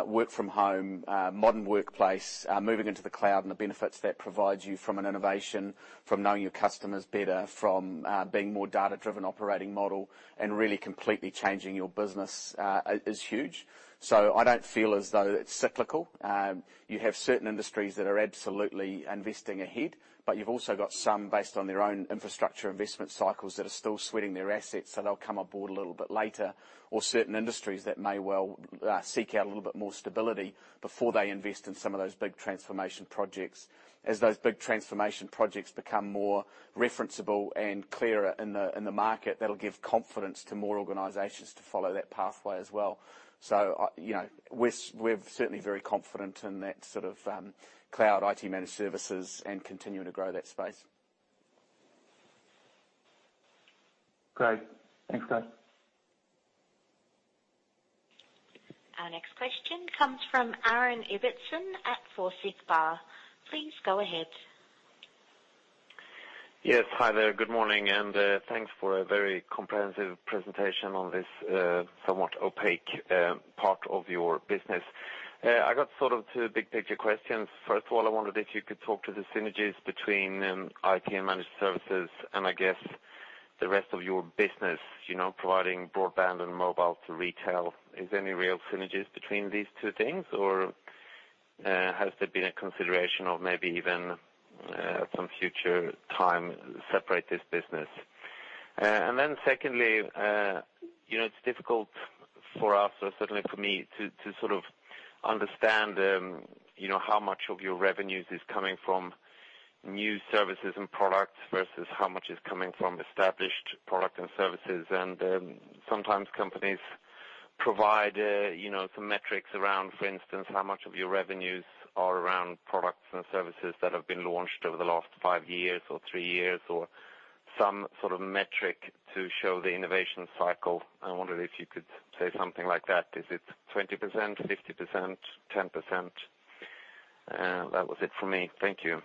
work from home, modern workplace, moving into the cloud and the benefits that provides you from an innovation, from knowing your customers better, from being more data-driven operating model, and really completely changing your business, is huge. I don't feel as though it's cyclical. You have certain industries that are absolutely investing ahead, but you've also got some based on their own infrastructure investment cycles that are still sweating their assets, so they'll come aboard a little bit later. Certain industries that may well seek out a little bit more stability before they invest in some of those big transformation projects. As those big transformation projects become more referenceable and clearer in the market, that'll give confidence to more organizations to follow that pathway as well. We're certainly very confident in that sort of Cloud IT Managed Services and continuing to grow that space. Great. Thanks, guys. Our next question comes from Aaron Ibbotson at Forsyth Barr. Please go ahead Yes. Hi there. Good morning. Thanks for a very comprehensive presentation on this somewhat opaque part of your business. I got sort of two big picture questions. First of all, I wondered if you could talk to the synergies between IT and Managed Services and, I guess, the rest of your business, providing broadband and mobile to retail. Is there any real synergies between these two things, or has there been a consideration of maybe even at some future time separate this business? Secondly, it's difficult for us or certainly for me to sort of understand how much of your revenues is coming from new services and products versus how much is coming from established product and services. Sometimes companies provide some metrics around, for instance, how much of your revenues are around products and services that have been launched over the last five years or three years, or some sort of metric to show the innovation cycle. I wondered if you could say something like that. Is it 20%, 50%, 10%? That was it for me. Thank you.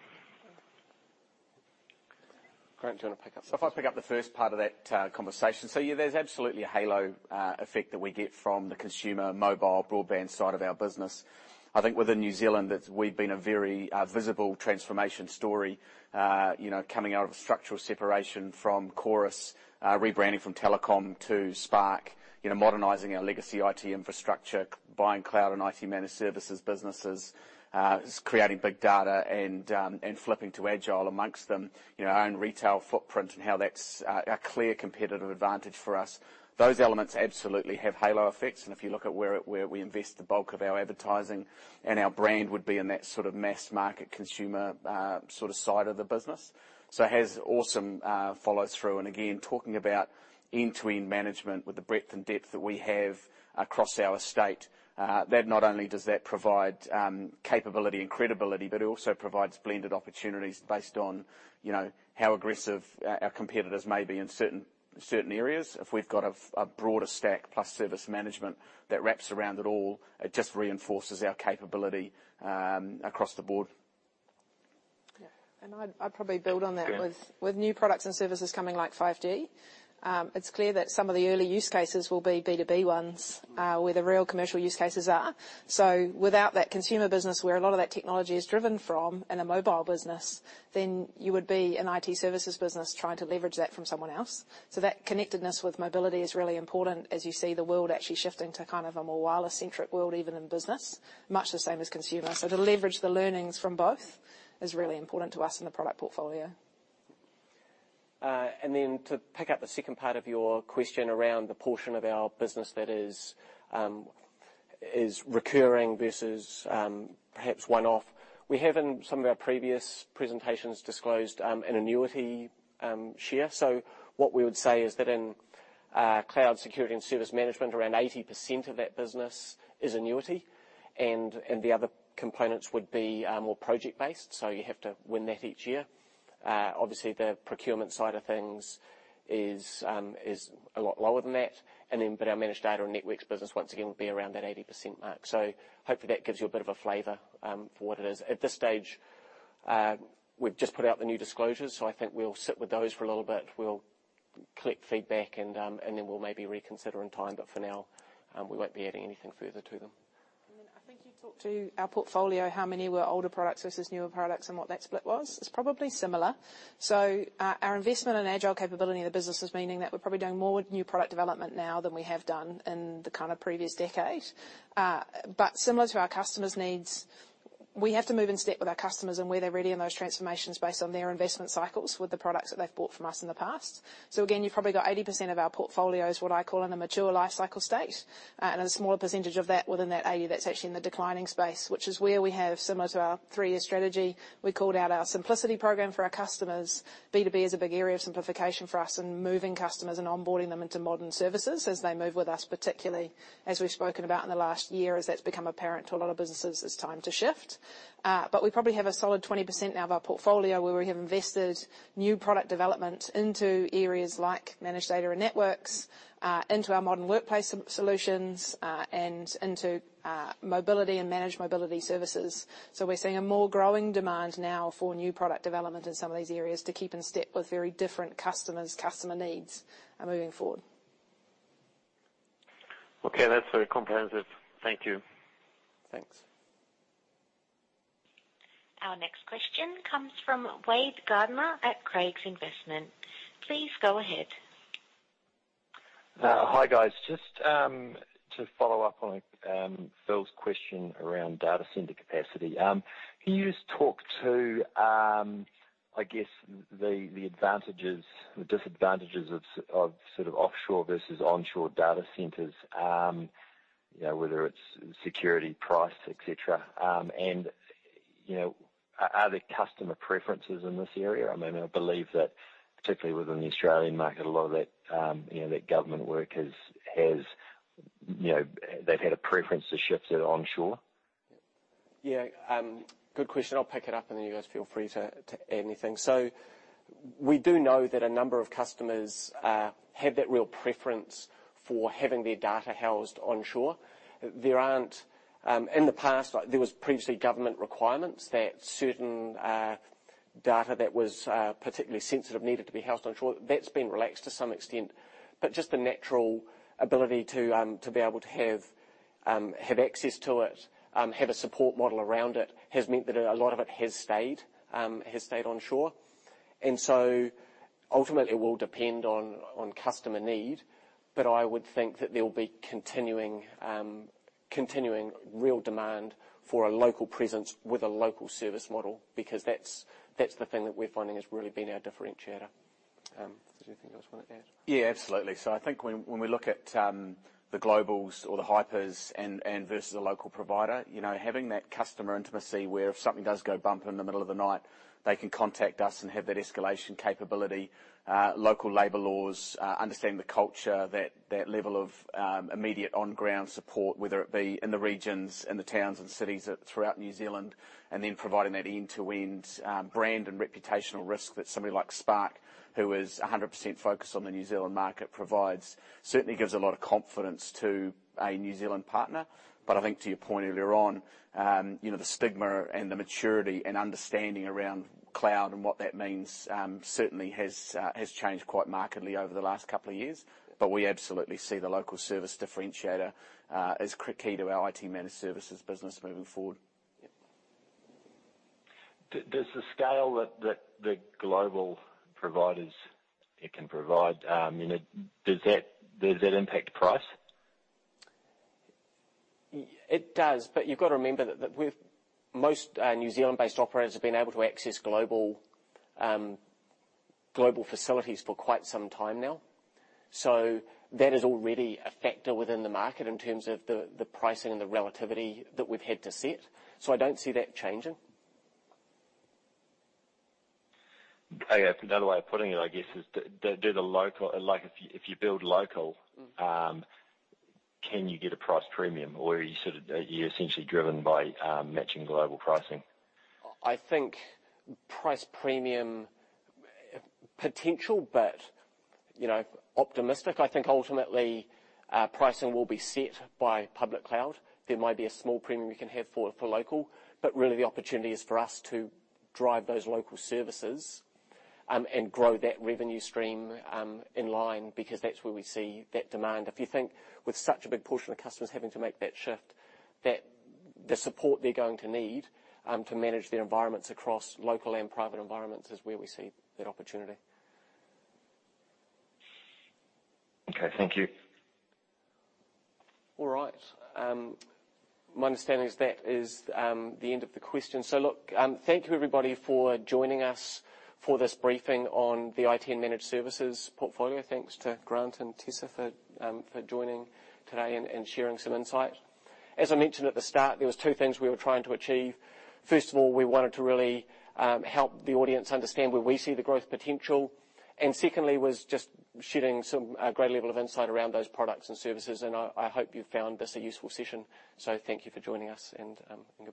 Grant, do you want to pick up? If I pick up the first part of that conversation. Yeah, there's absolutely a halo effect that we get from the consumer mobile broadband side of our business. I think within New Zealand that we've been a very visible transformation story, coming out of a structural separation from Chorus, rebranding from Telecom to Spark, modernizing our legacy IT infrastructure, buying Cloud and IT Managed Services businesses, creating big data and flipping to agile amongst them. Our own retail footprint and how that's a clear competitive advantage for us. Those elements absolutely have halo effects. If you look at where we invest the bulk of our advertising and our brand would be in that sort of mass market consumer sort of side of the business. Has awesome follow-through. Again, talking about end-to-end management with the breadth and depth that we have across our estate. Not only does that provide capability and credibility, but it also provides blended opportunities based on how aggressive our competitors may be in certain areas. If we've got a broader stack plus service management that wraps around it all, it just reinforces our capability across the board. Yeah. I'd probably build on that. Yeah. With new products and services coming like 5G, it's clear that some of the early use cases will be B2B ones, where the real commercial use cases are. Without that consumer business where a lot of that technology is driven from in a mobile business, then you would be an IT Services business trying to leverage that from someone else. That connectedness with mobility is really important as you see the world actually shifting to kind of a more wireless-centric world, even in business, much the same as consumer. To leverage the learnings from both is really important to us in the product portfolio. To pick up the second part of your question around the portion of our business that is recurring versus perhaps one-off. We have in some of our previous presentations disclosed an annuity share. What we would say is that in Cloud Security and Service Management, around 80% of that business is annuity. The other components would be more project-based. You have to win that each year. Obviously, the procurement side of things is a lot lower than that. Our managed data and networks business once again will be around that 80% mark. Hopefully, that gives you a bit of a flavor for what it is. At this stage, we've just put out the new disclosures, I think we'll sit with those for a little bit. We'll collect feedback and then we'll maybe reconsider in time. For now, we won't be adding anything further to them. I think you talked to our portfolio, how many were older products versus newer products and what that split was. It's probably similar. Our investment in agile capability in the business is meaning that we're probably doing more new product development now than we have done in the kind of previous decade. Similar to our customers' needs, we have to move in step with our customers and where they're ready in those transformations based on their investment cycles with the products that they've bought from us in the past. Again, you've probably got 80% of our portfolio is what I call in a mature life cycle state. A smaller percentage of that within that 80%, that's actually in the declining space, which is where we have similar to our three-year strategy. We called out our simplicity program for our customers. B2B is a big area of simplification for us and moving customers and onboarding them into modern services as they move with us, particularly as we've spoken about in the last year, as that's become apparent to a lot of businesses, it's time to shift. We probably have a solid 20% now of our portfolio where we have invested new product development into areas like managed data and networks, into our modern workplace solutions, and into mobility and managed mobility services. We're seeing a more growing demand now for new product development in some of these areas to keep in step with very different customers' customer needs moving forward. Okay. That's very comprehensive. Thank you. Thanks. Our next question comes from Wade Gardiner at Craigs Investment. Please go ahead. Hi, guys. Just to follow up on Phil's question around data center capacity. Can you just talk to, I guess, the advantages or disadvantages of sort of offshore versus onshore data centers? Whether it's security, price, et cetera. Are there customer preferences in this area? I mean, I believe that particularly within the Australian market, a lot of that government work, they've had a preference to shift to onshore. Yeah. Good question. I'll pick it up, and then you guys feel free to add anything. We do know that a number of customers have that real preference for having their data housed onshore. In the past, there was previously government requirements that certain data that was particularly sensitive needed to be housed onshore. That's been relaxed to some extent. Just the natural ability to be able to have access to it, have a support model around it, has meant that a lot of it has stayed onshore. Ultimately, it will depend on customer need, but I would think that there'll be continuing real demand for a local presence with a local service model, because that's the thing that we're finding has really been our differentiator. Is there anything else you want to add? Absolutely. I think when we look at the globals or the hypers and versus a local provider, having that customer intimacy where if something does go bump in the middle of the night, they can contact us and have that escalation capability. Local labor laws, understanding the culture, that level of immediate on-ground support, whether it be in the regions, in the towns and cities throughout New Zealand, and then providing that end-to-end brand and reputational risk that somebody like Spark, who is 100% focused on the New Zealand market provides, certainly gives a lot of confidence to a New Zealand partner. I think to your point earlier on, the stigma and the maturity and understanding around cloud and what that means, certainly has changed quite markedly over the last couple of years. We absolutely see the local service differentiator as key to our IT Managed Services business moving forward. Yep. Does the scale that the global providers can provide, does that impact price? It does, but you've got to remember that most New Zealand-based operators have been able to access global facilities for quite some time now. That is already a factor within the market in terms of the pricing and the relativity that we've had to set. I don't see that changing. Okay. Another way of putting it, I guess is, if you build local. can you get a price premium or are you essentially driven by matching global pricing? I think price premium potential, but optimistic. I think ultimately, pricing will be set by public cloud. There might be a small premium we can have for local. Really the opportunity is for us to drive those local services and grow that revenue stream in line, because that's where we see that demand. If you think with such a big portion of customers having to make that shift, that the support they're going to need to manage their environments across local and private environments is where we see that opportunity. Okay. Thank you. All right. My understanding is that is the end of the questions. Look, thank you everybody for joining us for this briefing on the IT and Managed Services portfolio. Thanks to Grant and Tessa for joining today and sharing some insight. As I mentioned at the start, there was two things we were trying to achieve. First of all, we wanted to really help the audience understand where we see the growth potential, and secondly, was just shedding some great level of insight around those products and services, and I hope you found this a useful session. Thank you for joining us, and goodbye.